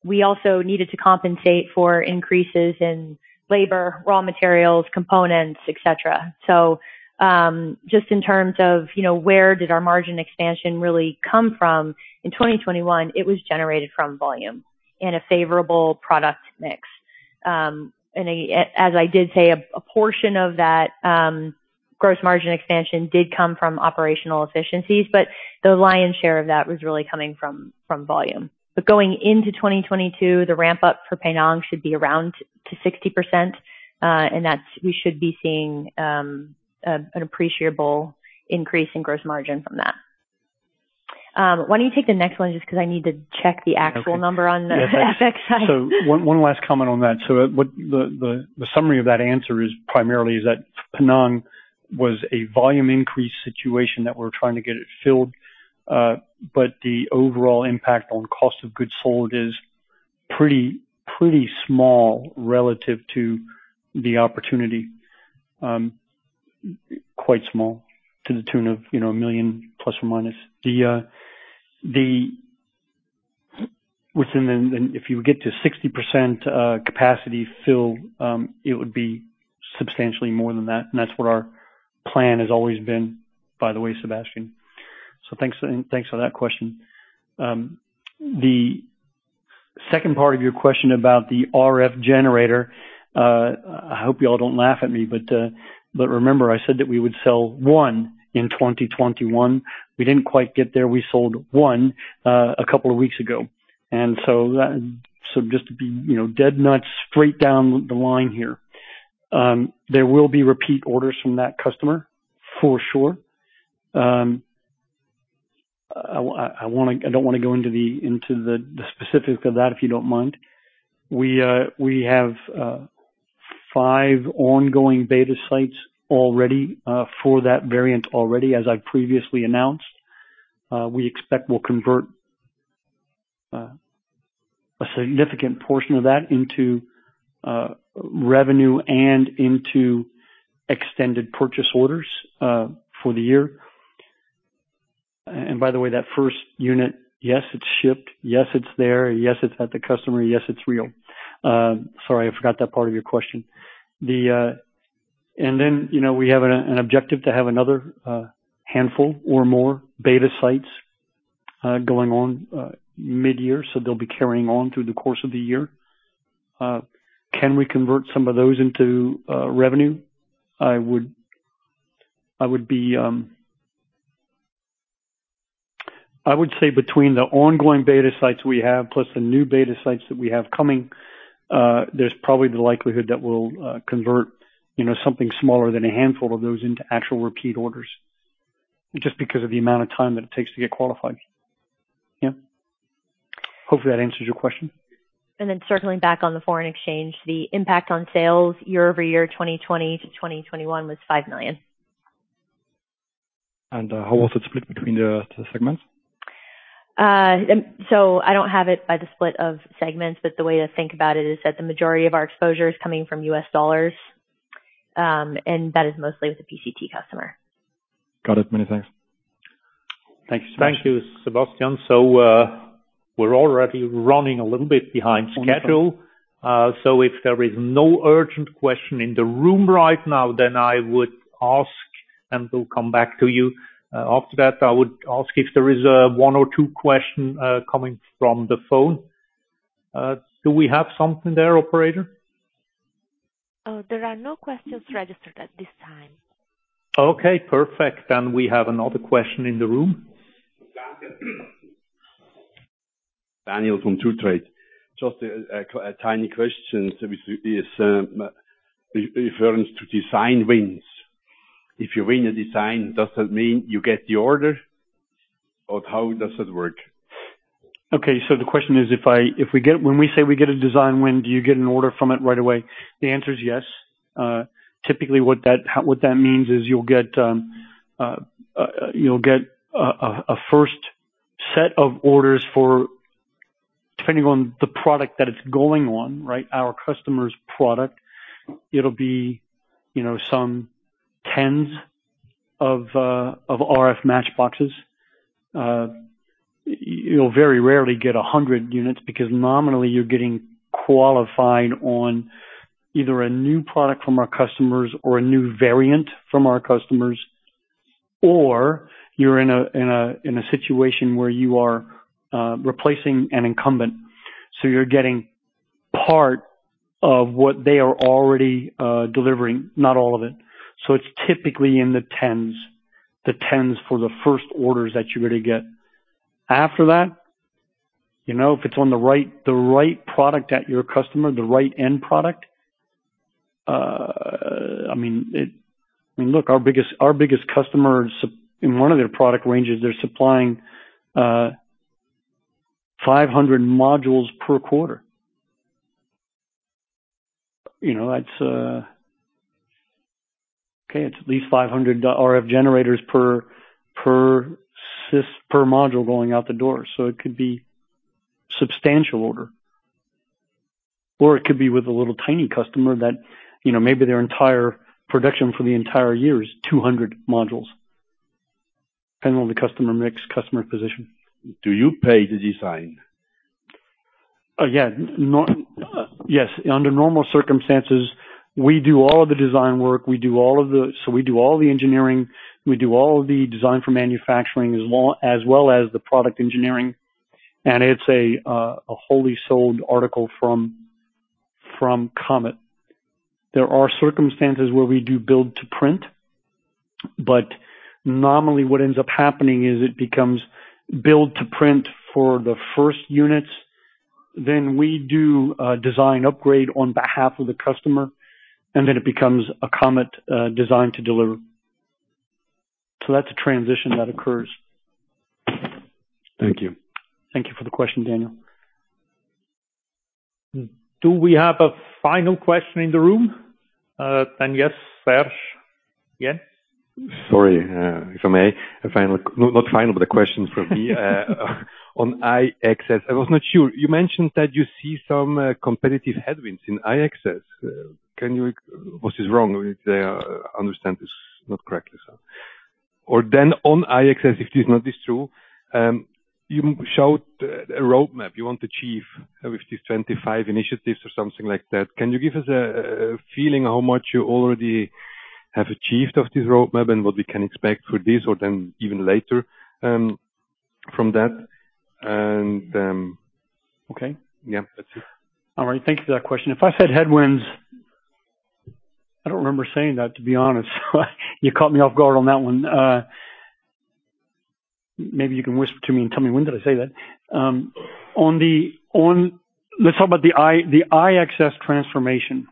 we also needed to compensate for increases in labor, raw materials, components, et cetera. Just in terms of, you know, where did our margin expansion really come from, in 2021, it was generated from volume and a favorable product mix. As I did say, a portion of that gross margin expansion did come from operational efficiencies, but the lion's share of that was really coming from volume. Going into 2022, the ramp up for Penang should be around 60%, and that's. We should be seeing an appreciable increase in gross margin from that. Why don't you take the next one just 'cause I need to check the actual number on the FX side. One last comment on that. The summary of that answer primarily is that Penang was a volume increase situation that we're trying to get it filled, but the overall impact on cost of goods sold is pretty small relative to the opportunity. Quite small to the tune of, you know, 1 million plus or minus. If you get to 60% capacity filled, it would be substantially more than that, and that's what our plan has always been, by the way, Sebastian. Thanks for that question. The second part of your question about the RF generator, I hope you all don't laugh at me, but remember I said that we would sell one in 2021. We didn't quite get there. We sold one, a couple of weeks ago. Just to be, you know, dead nuts straight down the line here. There will be repeat orders from that customer for sure. I don't wanna go into the specifics of that, if you don't mind. We have five ongoing beta sites already for that variant already, as I previously announced. We expect we'll convert a significant portion of that into revenue and into extended purchase orders for the year. By the way, that first unit, yes, it's shipped. Yes, it's there. Yes, it's at the customer. Yes, it's real. Sorry, I forgot that part of your question. The... You know, we have an objective to have another handful or more beta sites going on midyear, so they'll be carrying on through the course of the year. Can we convert some of those into revenue? I would say between the ongoing beta sites we have, plus the new beta sites that we have coming, there's probably the likelihood that we'll convert you know, something smaller than a handful of those into actual repeat orders. Just because of the amount of time that it takes to get qualified. Yeah. Hopefully, that answers your question. Circling back on the foreign exchange, the impact on sales year-over-year, 2020 to 2021 was 5 million. How was it split between the segments? I don't have it by the split of segments, but the way to think about it is that the majority of our exposure is coming from US dollars. That is mostly with the PCT customer. Got it. Many thanks. Thank you so much. Thank you, Sebastian. We're already running a little bit behind schedule. If there is no urgent question in the room right now, then I would ask, and we'll come back to you. After that, I would ask if there is one or two question coming from the phone. Do we have something there, operator? There are no questions registered at this time. Okay, perfect. We have another question in the room. Daniel from True Trade. Just a tiny question in reference to design wins. If you win a design, does that mean you get the order? Or how does it work? Okay. The question is, when we say we get a design win, do you get an order from it right away? The answer is yes. Typically, what that means is you'll get a first set of orders for depending on the product that it's going on, right? Our customer's product. It'll be, you know, some tens of RF match boxes. You'll very rarely get 100 units because nominally you're getting qualified on either a new product from our customers or a new variant from our customers, or you're in a situation where you are replacing an incumbent, so you're getting part of what they are already delivering, not all of it. It's typically in the tens. The tens for the first orders that you're gonna get. After that, you know, if it's the right product at your customer, the right end product, I mean, look, our biggest customers in one of their product ranges, they're supplying 500 modules per quarter. You know, that's okay, it's at least 500 RF generators per module going out the door, so it could be substantial order. Or it could be with a little tiny customer that, you know, maybe their entire production for the entire year is 200 modules, depending on the customer mix, customer position. Do you pay the design? Yes. Under normal circumstances, we do all of the design work. We do all the engineering. We do all the design for manufacturing as well as the product engineering, and it's a wholly sold article from Comet. There are circumstances where we do build to print, but nominally, what ends up happening is it becomes build to print for the first units, then we do a design upgrade on behalf of the customer, and then it becomes a Comet design to deliver. That's a transition that occurs. Thank you. Thank you for the question, Daniel. Do we have a final question in the room? Yes, Serge. Yes. Sorry, if I may. Not final, but a question from me on IXS. I was not sure. You mentioned that you see some competitive headwinds in IXS. What is wrong if I understand this not correctly, sir? Then on IXS, if this not is true, you showed a roadmap you want to achieve with these 25 initiatives or something like that. Can you give us a feeling how much you already have achieved of this roadmap and what we can expect for this or then even later from that? Okay. Yeah. That's it. All right. Thank you for that question. If I said headwinds, I don't remember saying that, to be honest. You caught me off guard on that one. Maybe you can whisper to me and tell me when did I say that? Let's talk about the IXS transformation,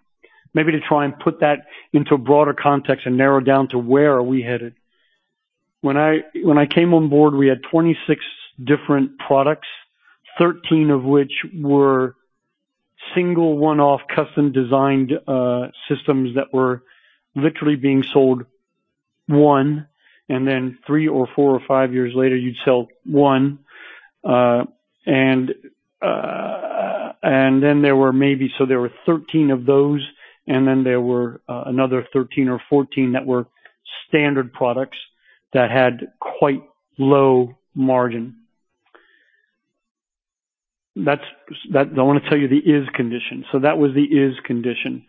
maybe to try and put that into a broader context and narrow down to where are we headed. When I came on board, we had 26 different products, 13 of which were single one-off custom designed systems that were literally being sold one, and then three or four or five years later, you'd sell one. There were 13 of those, and then there were another 13 or 14 that were standard products that had quite low margin. I want to tell you the as-is condition. That was the as-is condition.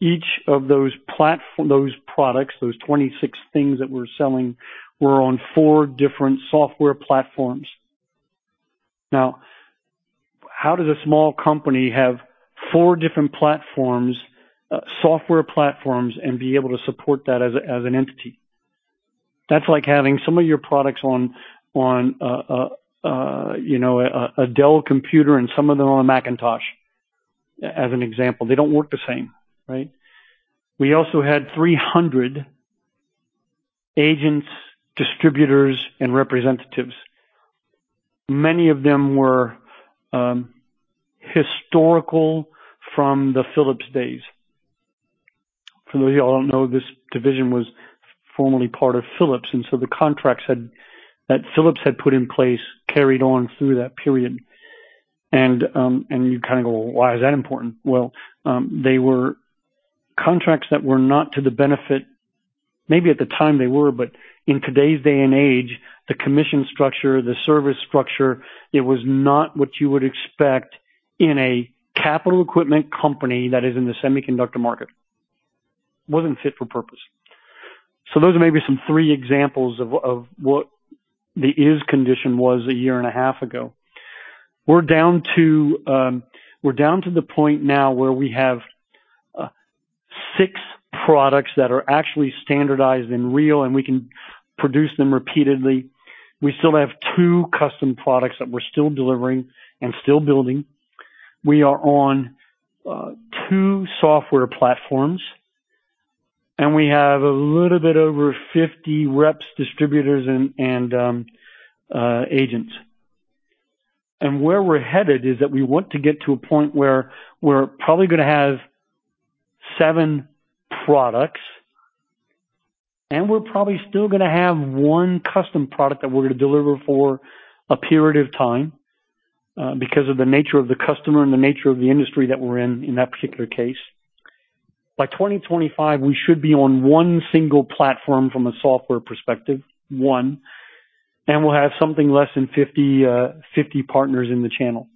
Each of those products, those 26 things that we're selling, were on four different software platforms. Now, how does a small company have four different platforms, software platforms, and be able to support that as an entity? That's like having some of your products on, you know, a Dell computer and some of them on a Macintosh, as an example. They don't work the same, right? We also had 300 agents, distributors, and representatives. Many of them were historical from the Philips days. For those of you who know, this division was formerly part of Philips, and the contracts that Philips had put in place carried on through that period. you kinda go, "Why is that important?" Well, they were contracts that were not to the benefit. Maybe at the time they were, but in today's day and age, the commission structure, the service structure, it was not what you would expect in a capital equipment company that is in the semiconductor market. Wasn't fit for purpose. Those are maybe some three examples of what the condition was a year and a half ago. We're down to the point now where we have six products that are actually standardized and real, and we can produce them repeatedly. We still have two custom products that we're still delivering and still building. We are on two software platforms, and we have a little bit over 50 reps, distributors, and agents. Where we're headed is that we want to get to a point where we're probably gonna have 7 products, and we're probably still gonna have one custom product that we're gonna deliver for a period of time, because of the nature of the customer and the nature of the industry that we're in that particular case. By 2025, we should be on 1 single platform from a software perspective, 1, and we'll have something less than 50 partners in the channel.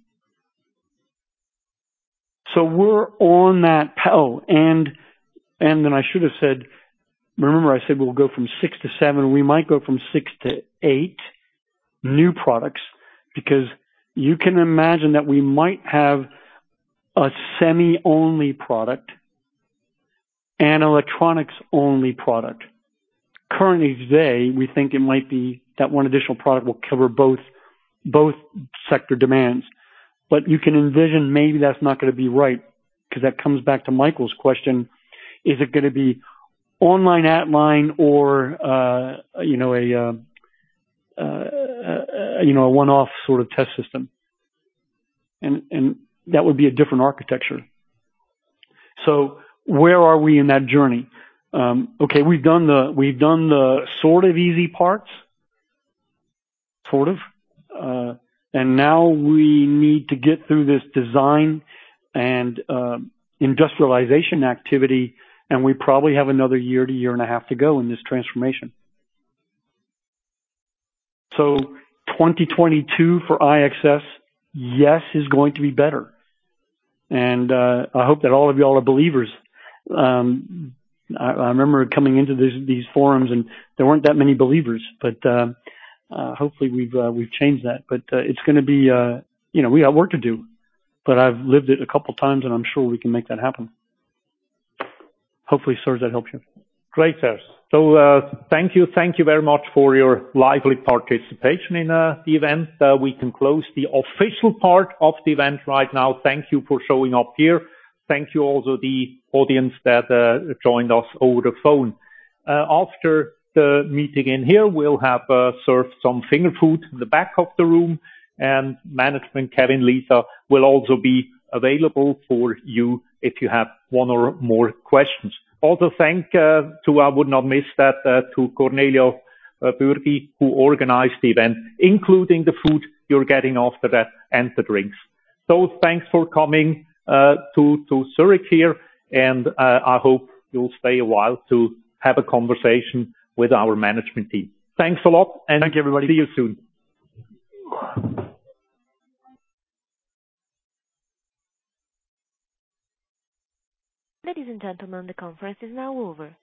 We're on that pedal. I should have said, remember I said we'll go from six to seven. We might go from six to eight new products because you can imagine that we might have a semi-only product and electronics-only product. Currently, today, we think it might be that one additional product will cover both sector demands. You can envision maybe that's not gonna be right, 'cause that comes back to Michael's question, is it gonna be online, at line or, a one-off sort of test system. That would be a different architecture. Where are we in that journey? We've done the sort of easy parts, sort of, and now we need to get through this design and, industrialization activity, and we probably have another year to a year and a half to go in this transformation. 2022 for IXS, yes, is going to be better. I hope that all of y'all are believers. I remember coming into these forums and there weren't that many believers. Hopefully we've changed that. It's gonna be, you know, we got work to do. I've lived it a couple times, and I'm sure we can make that happen. Hopefully, Sir, that helps you. Great, Seth. Thank you. Thank you very much for your lively participation in the event. We can close the official part of the event right now. Thank you for showing up here. Thank you also to the audience that joined us over the phone. After the meeting here, we'll have served some finger food in the back of the room, and management, Kevin, Lisa, will also be available for you if you have one or more questions. Also, thanks to Cornelia Bürgi, who organized the event, including the food you're getting after that and the drinks. Thanks for coming to Zurich here, and I hope you'll stay a while to have a conversation with our management team. Thanks a lot and- Thank you, everybody. See you soon. Ladies and gentlemen, the conference is now over.